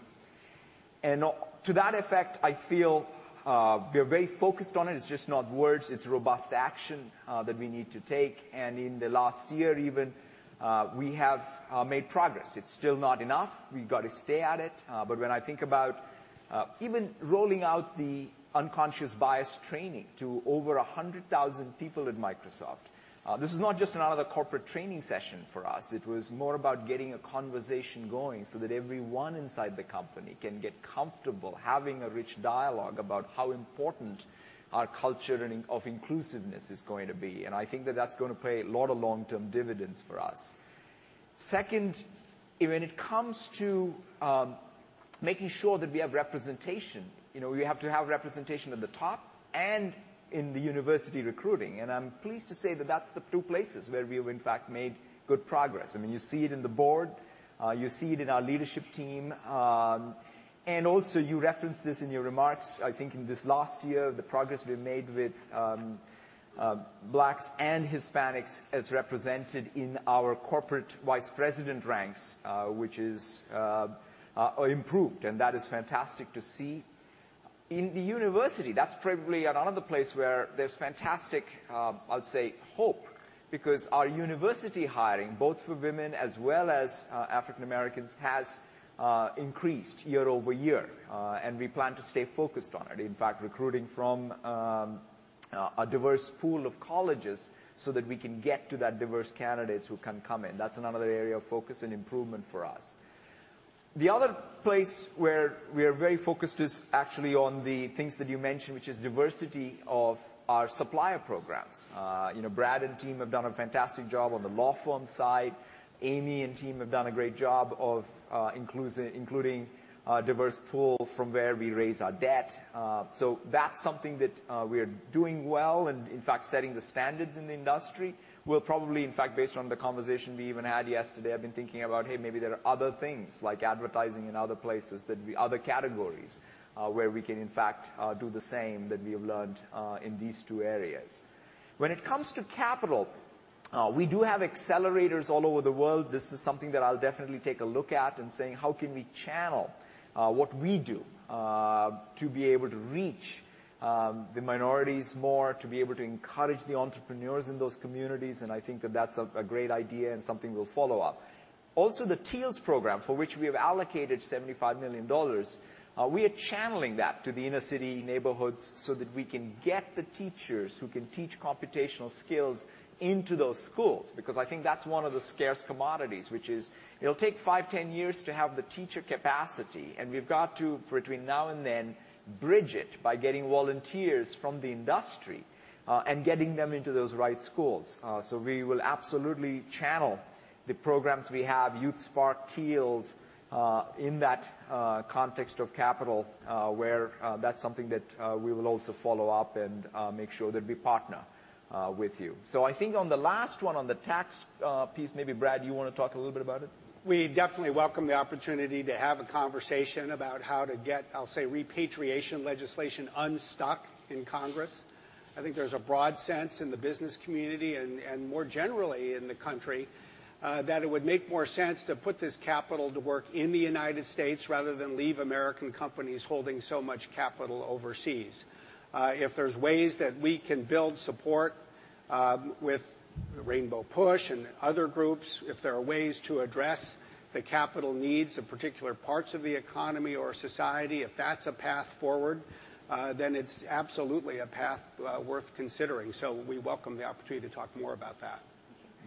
S5: To that effect, I feel we are very focused on it. It's just not words, it's robust action that we need to take. In the last year even, we have made progress. It's still not enough. We've got to stay at it. When I think about even rolling out the unconscious bias training to over 100,000 people at Microsoft, this is not just another corporate training session for us. It was more about getting a conversation going so that everyone inside the company can get comfortable having a rich dialogue about how important our culture of inclusiveness is going to be. I think that that's going to pay a lot of long-term dividends for us. Second, when it comes to making sure that we have representation, we have to have representation at the top and in the university recruiting. I'm pleased to say that that's the two places where we've in fact made good progress. You see it in the board. You see it in our leadership team. Also, you referenced this in your remarks, I think in this last year, the progress we've made with Blacks and Hispanics as represented in our corporate vice president ranks, which has improved, and that is fantastic to see. In the university, that's probably another place where there's fantastic, I'll say, hope because our university hiring, both for women as well as African Americans, has increased year-over-year. We plan to stay focused on it, in fact, recruiting from a diverse pool of colleges so that we can get to that diverse candidates who can come in. That's another area of focus and improvement for us. The other place where we are very focused is actually on the things that you mentioned, which is diversity of our supplier programs. Brad and team have done a fantastic job on the law firm side. Amy and team have done a great job of including a diverse pool from where we raise our debt. That's something that we are doing well and, in fact, setting the standards in the industry. We'll probably, in fact, based on the conversation we even had yesterday, I've been thinking about, hey, maybe there are other things like advertising in other places, other categories where we can in fact do the same that we have learned in these two areas. When it comes to capital, we do have accelerators all over the world. This is something that I'll definitely take a look at and saying, how can we channel what we do to be able to reach the minorities more, to be able to encourage the entrepreneurs in those communities? I think that that's a great idea and something we'll follow up. Also, the TEALS program, for which we have allocated $75 million, we are channeling that to the inner-city neighborhoods so that we can get the teachers who can teach computational skills into those schools. Because I think that's one of the scarce commodities. Which is, it'll take five, 10 years to have the teacher capacity, and we've got to, between now and then, bridge it by getting volunteers from the industry and getting them into those right schools. We will absolutely channel the programs we have, YouthSpark, TEALS, in that context of capital where that's something that we will also follow up and make sure that we partner with you. I think on the last one, on the tax piece, maybe Brad, you want to talk a little bit about it?
S7: We definitely welcome the opportunity to have a conversation about how to get, I'll say, repatriation legislation unstuck in Congress. I think there's a broad sense in the business community and more generally in the country, that it would make more sense to put this capital to work in the United States rather than leave American companies holding so much capital overseas. If there's ways that we can build support with Rainbow Push and other groups, if there are ways to address the capital needs of particular parts of the economy or society, if that's a path forward, it's absolutely a path worth considering. We welcome the opportunity to talk more about that.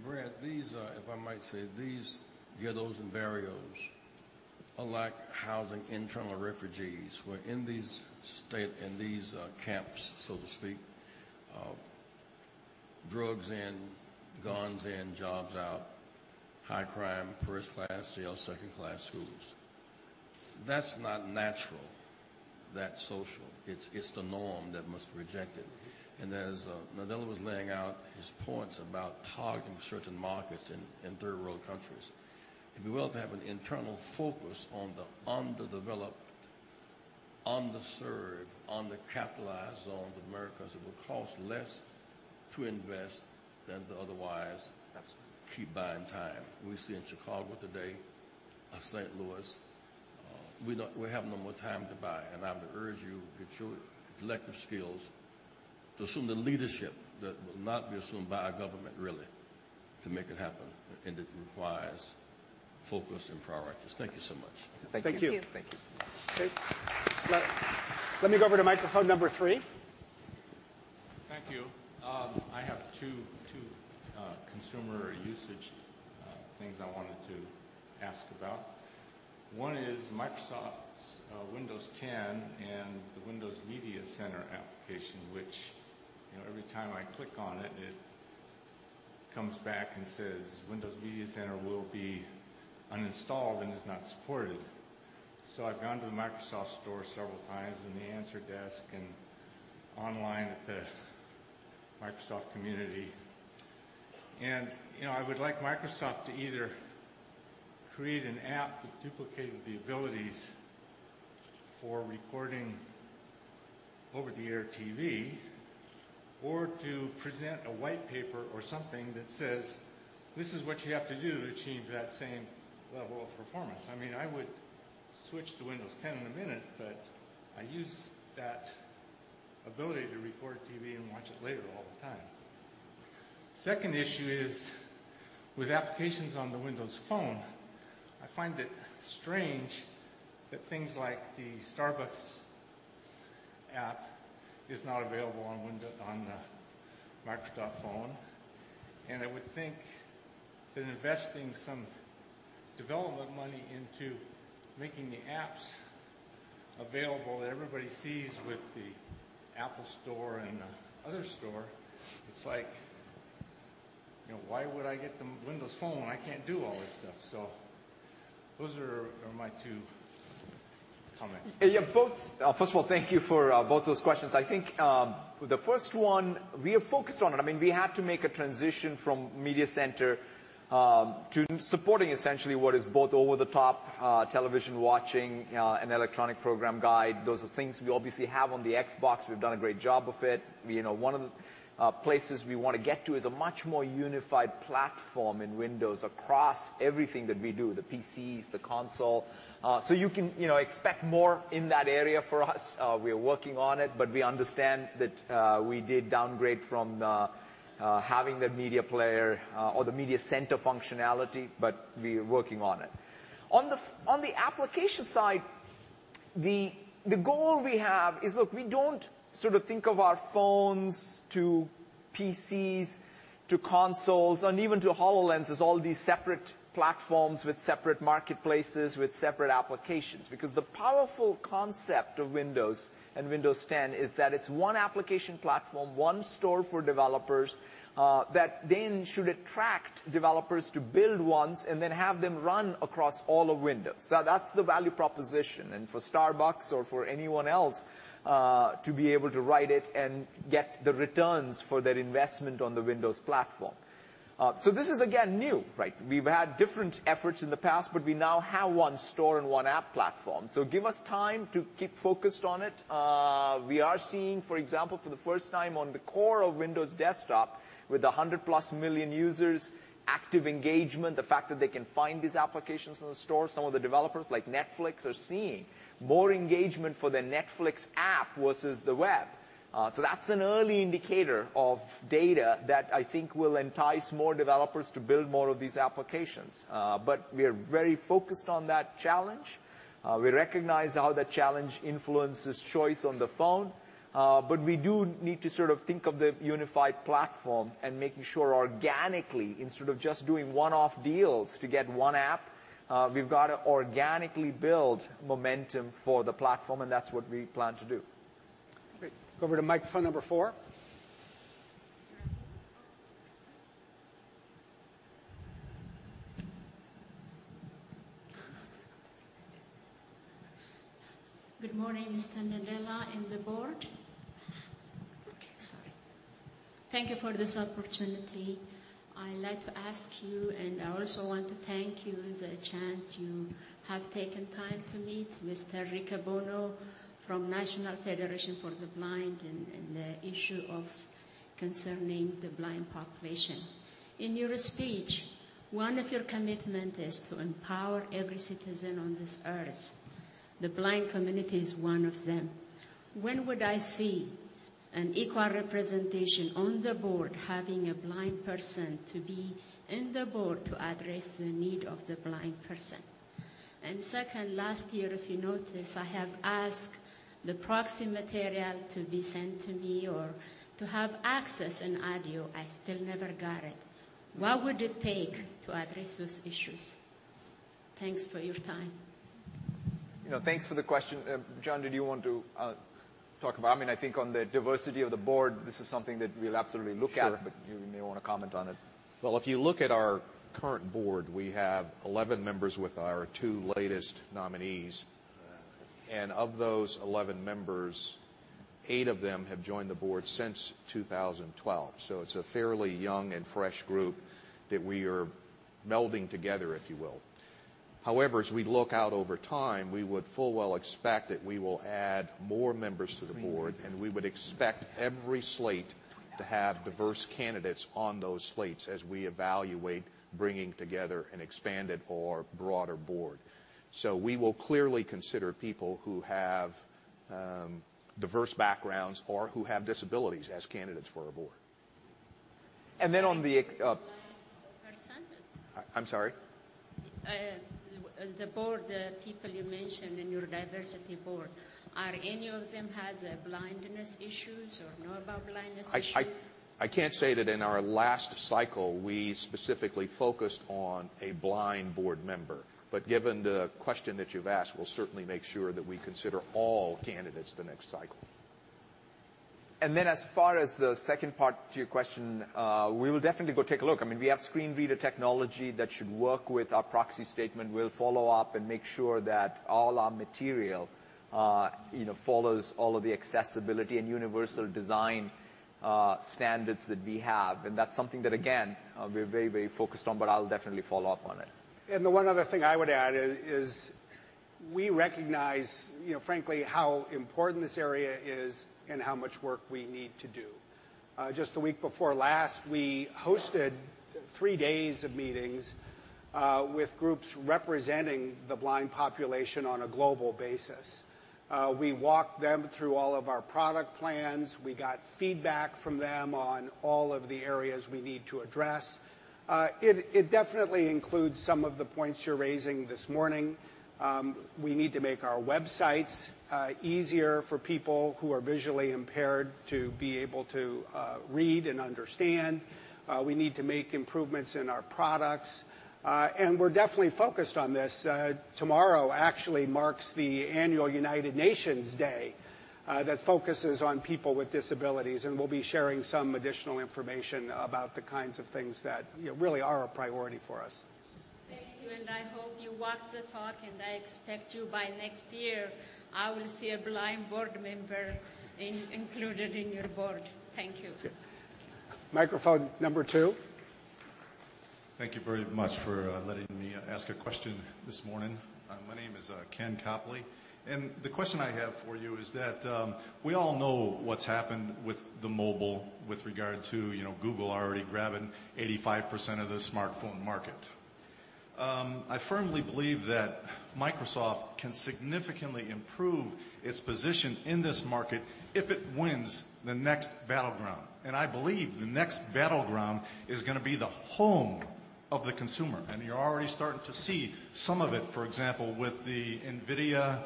S9: Brad, if I might say, these ghettos and barrios are like housing internal refugees who are in these camps, so to speak. Drugs in, guns in, jobs out, high crime, first-class jails, second-class schools. That's not natural. That's social. It's the norm that must be rejected. As Nadella was laying out his points about targeting certain markets in third-world countries, it'd be well to have an internal focus on the underserved, undercapitalized zones of America as it will cost less to invest.
S5: Absolutely
S9: keep buying time. We see in Chicago today, or St. Louis, we have no more time to buy. I would urge you with your collective skills to assume the leadership that will not be assumed by our government really to make it happen, it requires focus and priorities. Thank you so much.
S5: Thank you.
S7: Thank you.
S5: Thank you.
S7: Let me go over to microphone number 3.
S9: Thank you. I have two consumer usage things I wanted to ask about. One is Microsoft's Windows 10 and the Windows Media Center application, which every time I click on it comes back and says, "Windows Media Center will be uninstalled and is not supported." I've gone to the Microsoft Store several times and the answer desk and online at the Microsoft Community, I would like Microsoft to either create an app that duplicated the abilities for recording over-the-air TV or to present a white paper or something that says, "This is what you have to do to achieve that same level of performance." I would switch to Windows 10 in a minute, I use that ability to record TV and watch it later all the time. Second issue is with applications on the Windows Phone. I find it strange that things like the Starbucks app is not available on the Microsoft phone. I would think that investing some development money into making the apps available that everybody sees with the App Store and the other store, it's like why would I get the Windows Phone when I can't do all this stuff? Those are my two comments.
S5: First of all, thank you for both those questions. I think, the first one we have focused on. We had to make a transition from Windows Media Center to supporting essentially what is both over-the-top television watching, an electronic program guide. Those are things we obviously have on the Xbox. We've done a great job of it. One of the places we want to get to is a much more unified platform in Windows across everything that we do, the PCs, the console. You can expect more in that area for us. We are working on it, but we understand that we did downgrade from having the media player or the Windows Media Center functionality, but we are working on it. On the application side, the goal we have is, look, we don't sort of think of our phones to PCs, to consoles, and even to HoloLens as all these separate platforms with separate marketplaces, with separate applications. Because the powerful concept of Windows and Windows 10 is that it's one application platform, one store for developers, that then should attract developers to build once and then have them run across all of Windows. That's the value proposition. For Starbucks or for anyone else, to be able to write it and get the returns for their investment on the Windows platform. This is again, new, right? We've had different efforts in the past, but we now have one store and one app platform. Give us time to keep focused on it. We are seeing, for example, for the first time on the core of Windows desktop with 100+ million users, active engagement, the fact that they can find these applications in the store. Some of the developers like Netflix are seeing more engagement for their Netflix app versus the web. That's an early indicator of data that I think will entice more developers to build more of these applications. We are very focused on that challenge. We recognize how that challenge influences choice on the phone. We do need to sort of think of the unified platform and making sure organically, instead of just doing one-off deals to get one app, we've got to organically build momentum for the platform, and that's what we plan to do.
S7: Great. Go over to microphone number four.
S9: Good morning, Mr. Nadella and the board. Okay, sorry. Thank you for this opportunity. I'd like to ask you. I also want to thank you the chance you have taken time to meet Mr. Riccobono from National Federation of the Blind and the issue of concerning the blind population. In your speech, one of your commitment is to empower every citizen on this earth. The blind community is one of them. When would I see an equal representation on the board, having a blind person to be in the board to address the need of the blind person? Second, last year, if you notice, I have asked the proxy material to be sent to me or to have access in audio. I still never got it. What would it take to address those issues? Thanks for your time.
S5: Thanks for the question. John, did you want to talk about it? I think on the diversity of the board, this is something that we'll absolutely look at.
S2: Sure.
S5: You may want to comment on it.
S2: Well, if you look at our current board, we have 11 members with our two latest nominees. Of those 11 members, Eight of them have joined the board since 2012, it's a fairly young and fresh group that we are melding together, if you will. However, as we look out over time, we would full well expect that we will add more members to the board, we would expect every slate to have diverse candidates on those slates as we evaluate bringing together an expanded or broader board. We will clearly consider people who have diverse backgrounds or who have disabilities as candidates for our board.
S5: On the
S9: A blind person?
S2: I'm sorry.
S9: The board, the people you mentioned in your diversity board, are any of them has a blindness issues or know about blindness issue?
S2: I can't say that in our last cycle, we specifically focused on a blind board member. Given the question that you've asked, we'll certainly make sure that we consider all candidates the next cycle.
S5: As far as the second part to your question, we will definitely go take a look. We have screen reader technology that should work with our proxy statement. We'll follow up and make sure that all our material follows all of the accessibility and universal design standards that we have. That's something that, again, we're very focused on, but I'll definitely follow up on it.
S7: The one other thing I would add is we recognize frankly how important this area is and how much work we need to do. Just the week before last, we hosted 3 days of meetings, with groups representing the blind population on a global basis. We walked them through all of our product plans. We got feedback from them on all of the areas we need to address. It definitely includes some of the points you're raising this morning. We need to make our websites easier for people who are visually impaired to be able to read and understand. We need to make improvements in our products. We're definitely focused on this. Tomorrow actually marks the annual United Nations day that focuses on people with disabilities, and we'll be sharing some additional information about the kinds of things that really are a priority for us.
S9: Thank you. I hope you walk the talk. I expect you by next year, I will see a blind board member included in your board. Thank you.
S7: Okay. Microphone number two.
S10: Thank you very much for letting me ask a question this morning. My name is Ken Copley. The question I have for you is that, we all know what's happened with the mobile with regard to Google already grabbing 85% of the smartphone market. I firmly believe that Microsoft can significantly improve its position in this market if it wins the next battleground. I believe the next battleground is going to be the home of the consumer. You're already starting to see some of it, for example, with the NVIDIA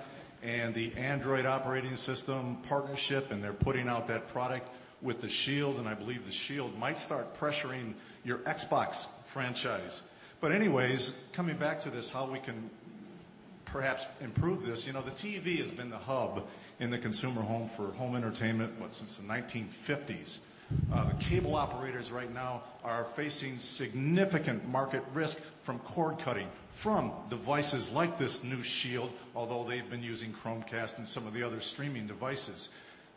S10: and the Android operating system partnership, and they're putting out that product with the Shield. I believe the Shield might start pressuring your Xbox franchise. Anyways, coming back to this how we can perhaps improve this. The TV has been the hub in the consumer home for home entertainment, what, since the 1950s. The cable operators right now are facing significant market risk from cord cutting from devices like this new Shield, although they've been using Chromecast and some of the other streaming devices.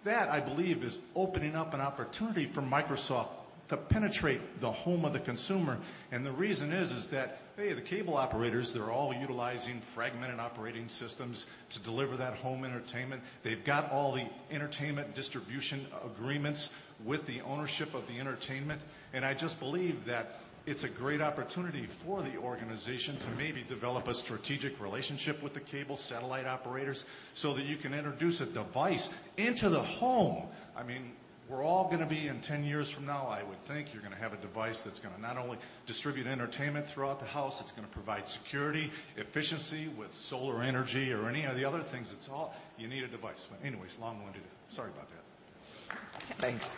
S10: That, I believe, is opening up an opportunity for Microsoft to penetrate the home of the consumer. The reason is that, hey, the cable operators, they're all utilizing fragmented operating systems to deliver that home entertainment. They've got all the entertainment distribution agreements with the ownership of the entertainment. I just believe that it's a great opportunity for the organization to maybe develop a strategic relationship with the cable satellite operators so that you can introduce a device into the home. We're all going to be in 10 years from now, I would think, you're going to have a device that's going to not only distribute entertainment throughout the house, it's going to provide security, efficiency with solar energy or any of the other things. It's all you need a device. Anyways, long-winded. Sorry about that.
S5: Thanks.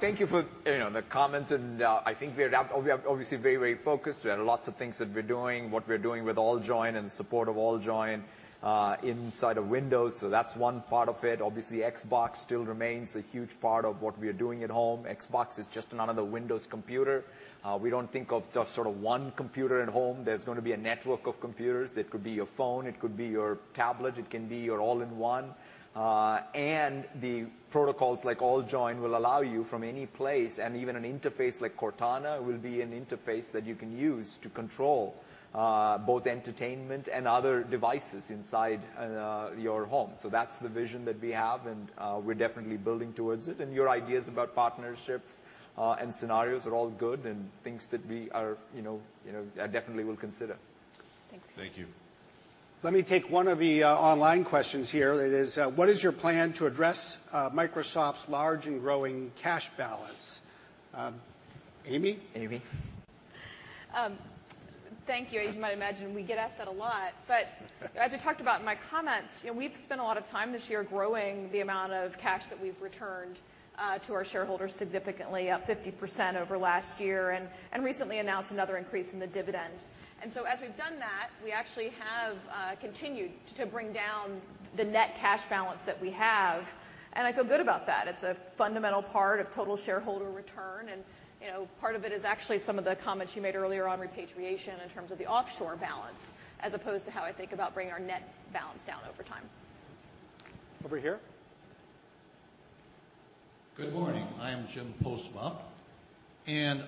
S5: Thank you for the comments. I think we are obviously very focused. We have lots of things that we're doing, what we're doing with AllJoyn and support of AllJoyn inside of Windows. That's one part of it. Obviously, Xbox still remains a huge part of what we are doing at home. Xbox is just another Windows computer. We don't think of one computer at home. There's going to be a network of computers. It could be your phone, it could be your tablet, it can be your all-in-one. The protocols like AllJoyn will allow you from any place, even an interface like Cortana will be an interface that you can use to control both entertainment and other devices inside your home. That's the vision that we have, and we're definitely building towards it. Your ideas about partnerships and scenarios are all good and things that we definitely will consider.
S10: Thank you.
S7: Let me take one of the online questions here. It is, what is your plan to address Microsoft's large and growing cash balance? Amy?
S5: Amy.
S4: Thank you. As you might imagine, we get asked that a lot. As I talked about in my comments, we've spent a lot of time this year growing the amount of cash that we've returned to our shareholders significantly, up 50% over last year, and recently announced another increase in the dividend. As we've done that, we actually have continued to bring down the net cash balance that we have, and I feel good about that. It's a fundamental part of total shareholder return, and part of it is actually some of the comments you made earlier on repatriation in terms of the offshore balance, as opposed to how I think about bringing our net balance down over time.
S7: Over here.
S11: Good morning. I am Jim Postma,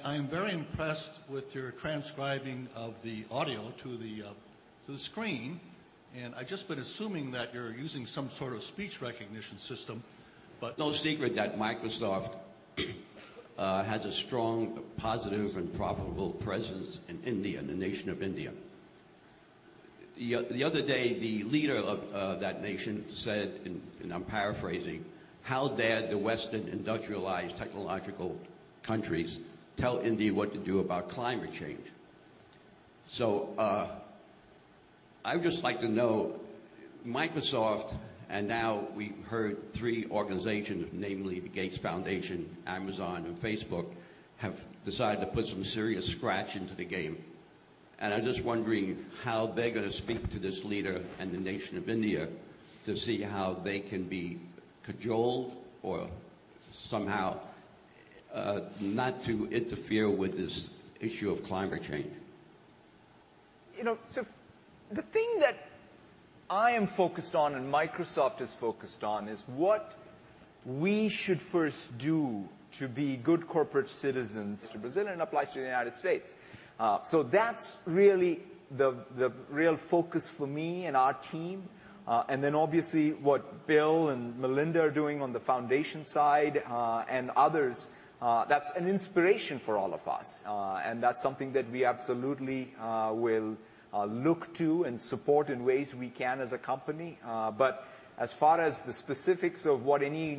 S11: I'm very impressed with your transcribing of the audio to the screen. I've just been assuming that you're using some sort of speech recognition system.
S9: No secret that Microsoft has a strong positive and profitable presence in India, the nation of India. The other day, the leader of that nation said, and I'm paraphrasing, "How dare the Western industrialized technological countries tell India what to do about climate change?" I would just like to know, Microsoft, and now we've heard three organizations, namely the Gates Foundation, Amazon, and Facebook, have decided to put some serious scratch into the game. I'm just wondering how they're going to speak to this leader and the nation of India to see how they can be cajoled or somehow not to interfere with this issue of climate change.
S5: The thing that I am focused on and Microsoft is focused on is what we should first do to be good corporate citizens to Brazil and applies to the United States. That's really the real focus for me and our team. Obviously what Bill and Melinda are doing on the foundation side, and others, that's an inspiration for all of us. That's something that we absolutely will look to and support in ways we can as a company. As far as the specifics of what any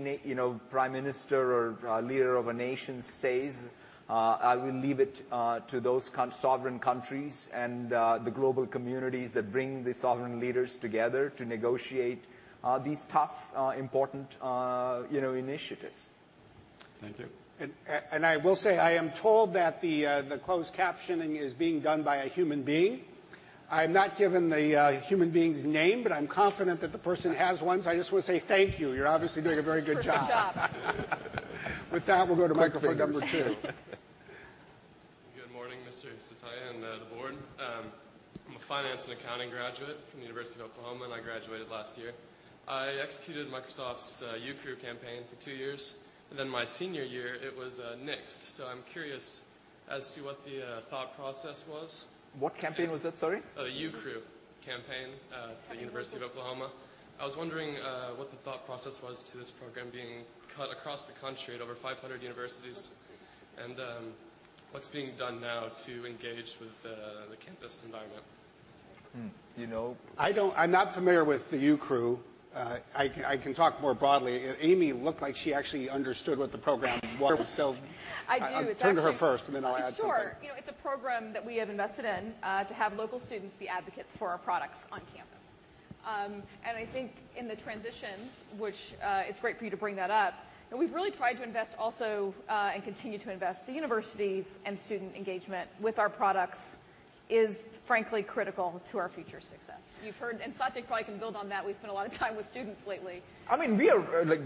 S5: prime minister or leader of a nation says, I will leave it to those sovereign countries and the global communities that bring the sovereign leaders together to negotiate these tough, important initiatives.
S9: Thank you.
S7: I will say, I am told that the closed captioning is being done by a human being. I'm not given the human being's name, but I'm confident that the person has one, so I just want to say thank you. You're obviously doing a very good job.
S4: Good job.
S7: We'll go to microphone number 2.
S9: Good morning, Mr. Satya and the board. I'm a finance and accounting graduate from the University of Oklahoma. I graduated last year. I executed Microsoft's Ucrew campaign for two years. My senior year it was nixed. I'm curious as to what the thought process was.
S5: What campaign was that? Sorry.
S9: Ucrew campaign at the University of Oklahoma. I was wondering what the thought process was to this program being cut across the country at over 500 universities and what's being done now to engage with the campus environment.
S7: I'm not familiar with the Ucrew. I can talk more broadly. Amy looked like she actually understood what the program was.
S4: I do.
S7: I'll turn to her first, and then I'll add something.
S4: Sure. It's a program that we have invested in to have local students be advocates for our products on campus. I think in the transition, which it's great for you to bring that up, we've really tried to invest also and continue to invest. The universities and student engagement with our products is frankly critical to our future success. You've heard, and Satya probably can build on that, we've spent a lot of time with students lately.
S5: I'll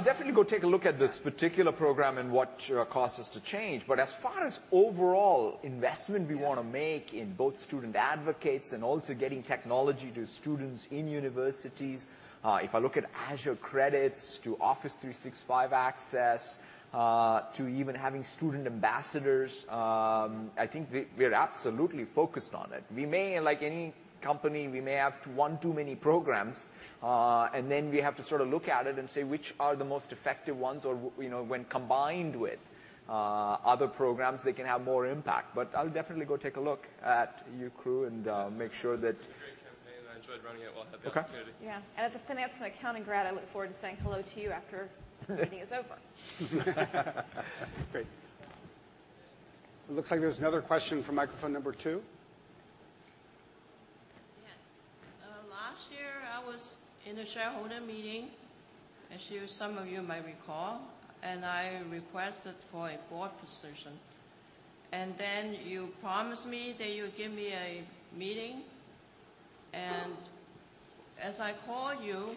S5: definitely go take a look at this particular program and what caused us to change, as far as overall investment we want to make in both student advocates and also getting technology to students in universities. If I look at Azure credits to Office 365 access, to even having student ambassadors, I think we're absolutely focused on it. Like any company, we may have one too many programs, and then we have to look at it and say, which are the most effective ones or when combined with other programs, they can have more impact. I'll definitely go take a look at Ucrew and make sure that
S9: It's a great campaign and I enjoyed running it while I had the opportunity.
S5: Okay.
S4: Yeah. As a finance and accounting grad, I look forward to saying hello to you after this meeting is over.
S7: Great. It looks like there's another question for microphone number two.
S9: Yes. Last year I was in a shareholder meeting, as some of you might recall, and I requested for a board position. Then you promised me that you'd give me a meeting, and as I called you,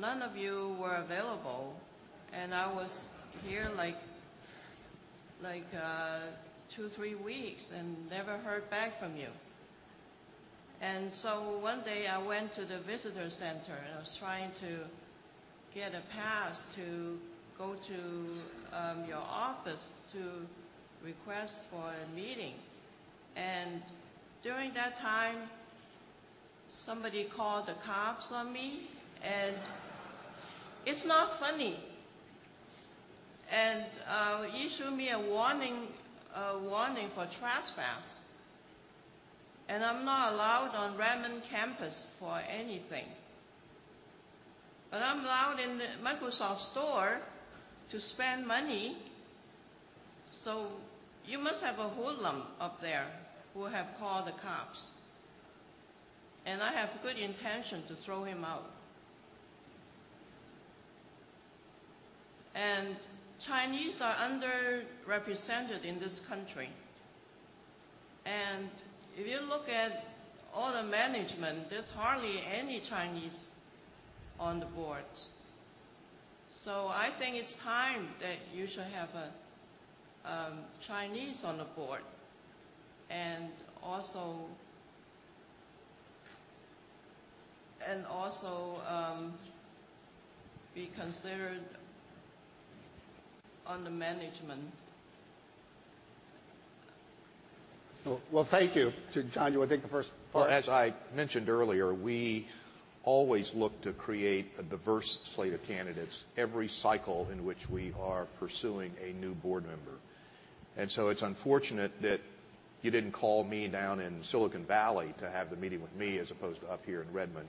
S9: none of you were available, and I was here two, three weeks and never heard back from you. One day I went to the visitor center, and I was trying to get a pass to go to your office to request for a meeting. During that time, somebody called the cops on me. It's not funny. Issued me a warning for trespass, and I'm not allowed on Redmond campus for anything. I'm allowed in the Microsoft Store to spend money, so you must have a hoodlum up there who have called the cops, and I have good intention to throw him out. Chinese are underrepresented in this country, and if you look at all the management, there's hardly any Chinese on the boards. I think it's time that you should have a Chinese on the board, and also be considered on the management. Well, thank you. To John, you want to take the first part?
S2: As I mentioned earlier, we always look to create a diverse slate of candidates every cycle in which we are pursuing a new board member. It's unfortunate that you didn't call me down in Silicon Valley to have the meeting with me as opposed to up here in Redmond,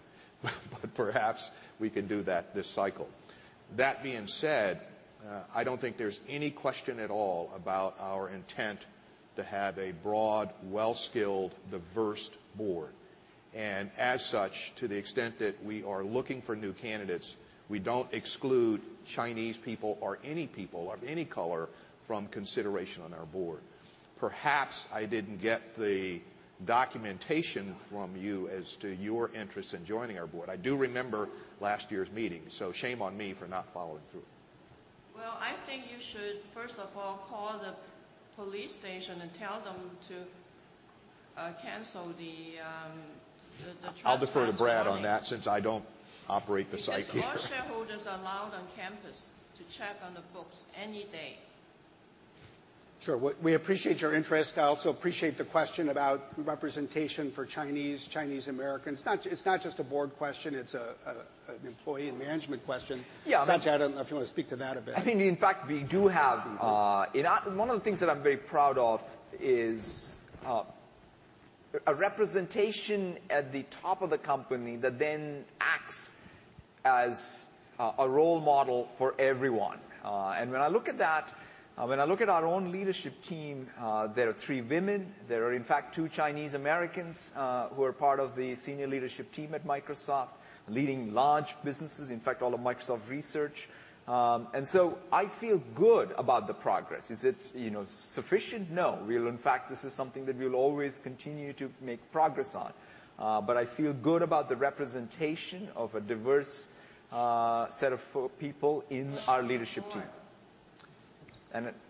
S2: perhaps we can do that this cycle. That being said, I don't think there's any question at all about our intent to have a broad, well-skilled, diverse board. To the extent that we are looking for new candidates, we don't exclude Chinese people or any people of any color from consideration on our board. Perhaps I didn't get the documentation from you as to your interest in joining our board. I do remember last year's meeting, shame on me for not following through.
S9: Well, I think you should, first of all, call the police station and tell them to cancel the trespass warning.
S2: I'll defer to Brad on that since I don't operate the site here.
S9: All shareholders are allowed on campus to check on the books any day.
S7: Sure. We appreciate your interest. I also appreciate the question about representation for Chinese Americans. It is not just a board question, it is an employee and management question.
S5: Yeah.
S7: Satya, I don't know if you want to speak to that a bit.
S5: I mean, in fact, we do have. One of the things that I'm very proud of is a representation at the top of the company that then acts as a role model for everyone. When I look at that, when I look at our own leadership team, there are three women, there are in fact two Chinese Americans who are part of the senior leadership team at Microsoft leading large businesses, in fact, all of Microsoft Research. I feel good about the progress. Is it sufficient? No. In fact, this is something that we'll always continue to make progress on. I feel good about the representation of a diverse set of people in our leadership team.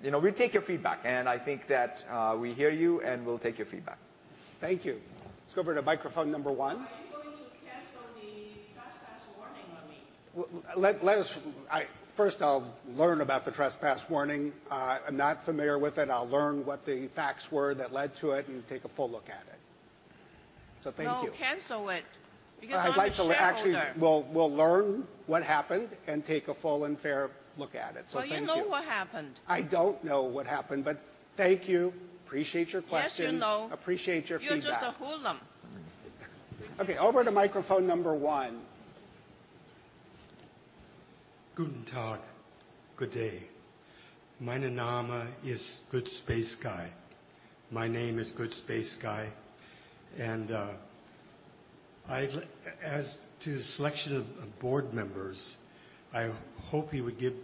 S9: More. We take your feedback, and I think that we hear you, and we'll take your feedback.
S7: Thank you. Let's go over to microphone number one.
S9: Are you going to cancel the trespass warning on me?
S7: First I'll learn about the trespass warning. I'm not familiar with it. I'll learn what the facts were that led to it and take a full look at it. Thank you.
S9: No, cancel it because I'm a shareholder.
S7: Actually, we'll learn what happened and take a full and fair look at it. Thank you.
S9: Well, you know what happened.
S7: I don't know what happened, thank you. Appreciate your question.
S9: Yes, you know.
S7: Appreciate your feedback.
S9: You're just a hoodlum.
S7: Okay, over to microphone number one.
S12: Guten tag. Good day. Meine name is Goodspaceguy. My name is Goodspaceguy. As to the selection of board members, I hope you would give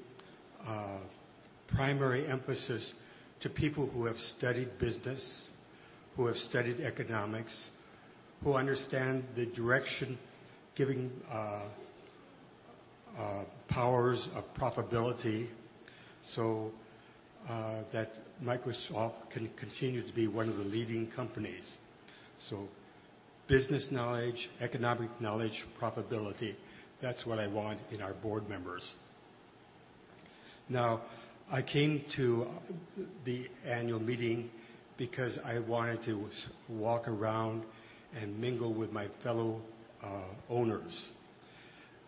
S12: primary emphasis to people who have studied business, who have studied economics, who understand the direction giving powers of profitability so that Microsoft can continue to be one of the leading companies. Business knowledge, economic knowledge, profitability, that's what I want in our board members. I came to the annual meeting because I wanted to walk around and mingle with my fellow owners.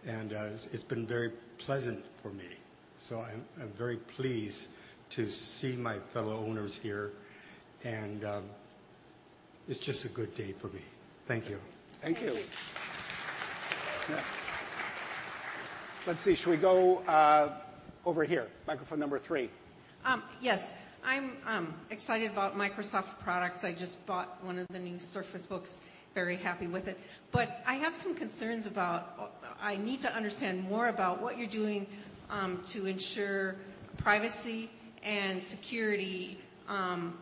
S12: It's been very pleasant for me, so I'm very pleased to see my fellow owners here, and it's just a good day for me. Thank you.
S7: Thank you. Let's see. Should we go over here? Microphone number three.
S9: Yes. I'm excited about Microsoft products. I just bought one of the new Surface Books. Very happy with it. I have some concerns about I need to understand more about what you're doing to ensure privacy and security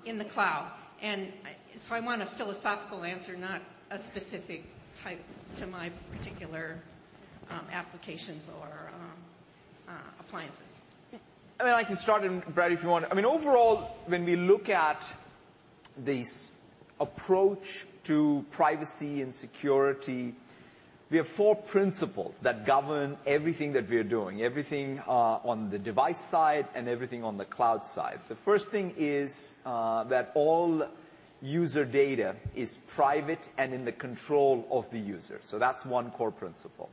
S9: in the cloud. I want a philosophical answer, not a specific type to my particular applications or appliances.
S5: I can start. Brad, if you want I mean, overall, when we look at the approach to privacy and security, we have four principles that govern everything that we're doing, everything on the device side and everything on the cloud side. The first thing is that all user data is private and in the control of the user. That's one core principle.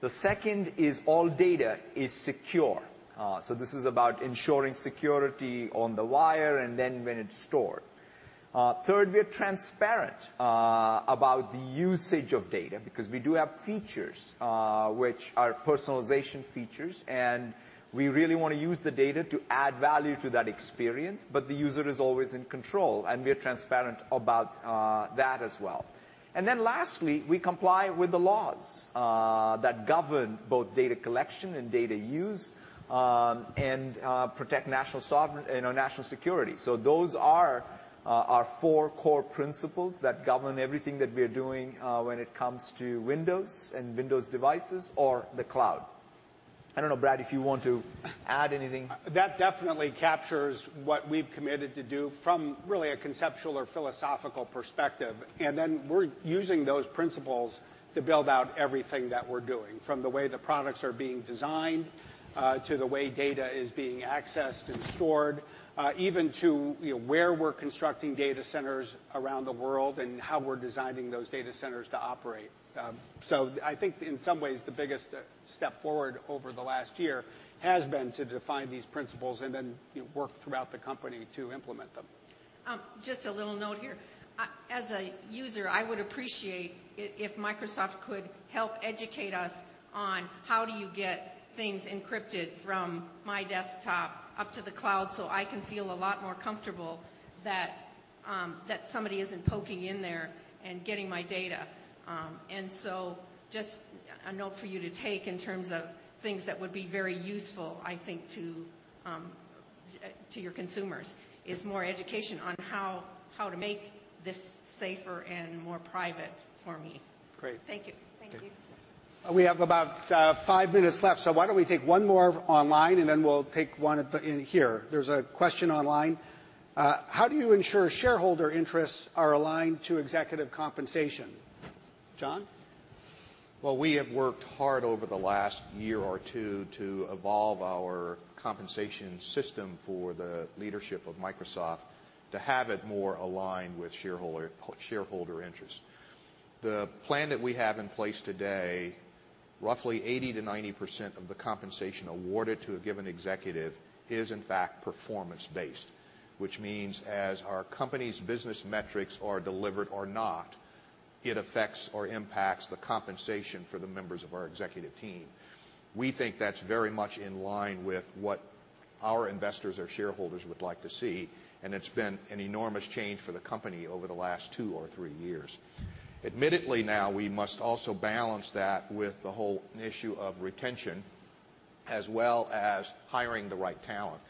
S5: The second is all data is secure. This is about ensuring security on the wire and then when it's stored. Third, we're transparent about the usage of data because we do have features which are personalization features, and we really want to use the data to add value to that experience. The user is always in control, and we are transparent about that as well. Lastly, we comply with the laws that govern both data collection and data use, and protect national security. Those are our four core principles that govern everything that we're doing when it comes to Windows and Windows devices or the cloud. I don't know, Brad, if you want to add anything.
S7: That definitely captures what we've committed to do from really a conceptual or philosophical perspective. We're using those principles to build out everything that we're doing, from the way the products are being designed, to the way data is being accessed and stored, even to where we're constructing data centers around the world, and how we're designing those data centers to operate. In some ways, the biggest step forward over the last year has been to define these principles and then work throughout the company to implement them.
S9: Just a little note here. As a user, I would appreciate if Microsoft could help educate us on how do you get things encrypted from my desktop up to the cloud so I can feel a lot more comfortable that somebody isn't poking in there and getting my data. Just a note for you to take in terms of things that would be very useful, I think, to your consumers, is more education on how to make this safer and more private for me.
S7: Great.
S9: Thank you.
S5: Thank you.
S7: We have about five minutes left, why don't we take one more online and then we'll take one in here. There is a question online. How do you ensure shareholder interests are aligned to executive compensation? John?
S2: We have worked hard over the last year or two to evolve our compensation system for the leadership of Microsoft to have it more aligned with shareholder interests. The plan that we have in place today, roughly 80%-90% of the compensation awarded to a given executive is in fact performance-based, which means as our company's business metrics are delivered or not, it affects or impacts the compensation for the members of our executive team. We think that is very much in line with what our investors or shareholders would like to see, and it has been an enormous change for the company over the last two or three years. Admittedly now, we must also balance that with the whole issue of retention, as well as hiring the right talent.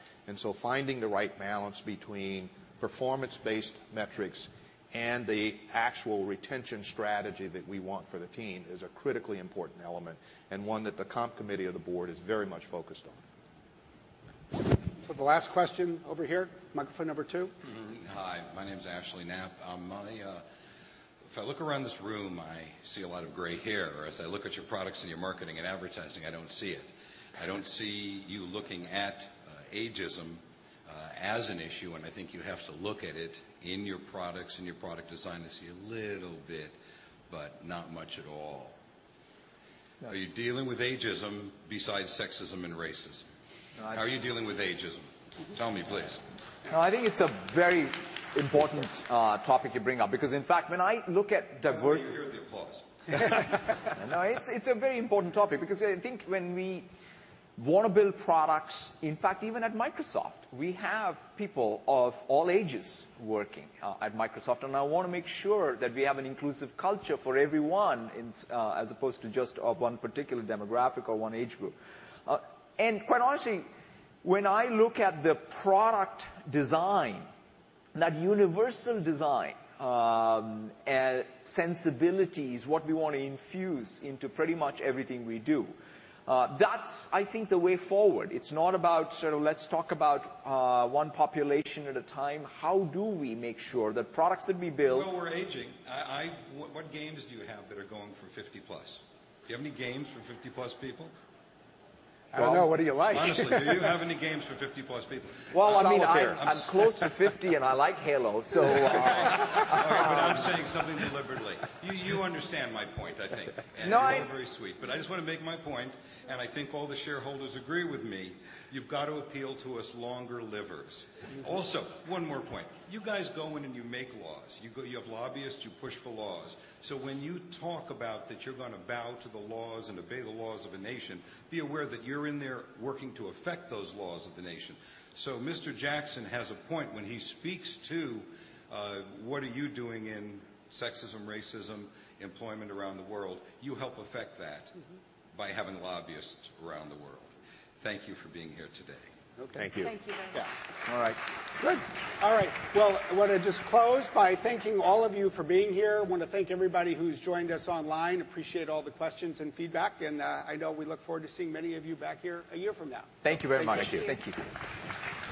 S2: Finding the right balance between performance-based metrics and the actual retention strategy that we want for the team is a critically important element, and one that the comp committee of the board is very much focused on.
S7: The last question over here, microphone number 2.
S8: Hi, my name's Ashley Knapp. If I look around this room, I see a lot of gray hair, or as I look at your products and your marketing and advertising, I don't see it. I don't see you looking at ageism as an issue, and I think you have to look at it in your products and your product design. I see a little bit, but not much at all. Are you dealing with ageism besides sexism and racism?
S5: No, I think-
S8: How are you dealing with ageism? Tell me, please.
S5: No, I think it's a very important topic you bring up because, in fact, when I look at diverse-
S8: I want you to hear the applause.
S5: No, it's a very important topic because I think when we want to build products, in fact, even at Microsoft, we have people of all ages working at Microsoft. I want to make sure that we have an inclusive culture for everyone, as opposed to just of one particular demographic or one age group. Quite honestly, when I look at the product design, that universal design sensibilities, what we want to infuse into pretty much everything we do, that's I think the way forward. It's not about sort of let's talk about one population at a time. How do we make sure that products that we build-
S8: We know we're aging. What games do you have that are going for 50+? Do you have any games for 50+ people?
S7: I don't know. What do you like?
S8: Honestly, do you have any games for 50+ people?
S5: Well, I mean, I'm close to 50 and I like Halo, so.
S8: All right. I'm saying something deliberately. You understand my point, I think.
S5: No.
S8: You're very sweet, but I just want to make my point, and I think all the shareholders agree with me. You've got to appeal to us longer livers. One more point. You guys go in and you make laws. You have lobbyists, you push for laws. When you talk about that you're going to bow to the laws and obey the laws of a nation, be aware that you're in there working to affect those laws of the nation. Mr. Jackson has a point when he speaks to what are you doing in sexism, racism, employment around the world. You help affect that by having lobbyists around the world. Thank you for being here today.
S2: Thank you.
S5: Thank you very much.
S7: Well, I want to just close by thanking all of you for being here. I want to thank everybody who's joined us online. Appreciate all the questions and feedback, and I know we look forward to seeing many of you back here a year from now.
S5: Thank you very much.
S2: Thank you.
S5: Thank you.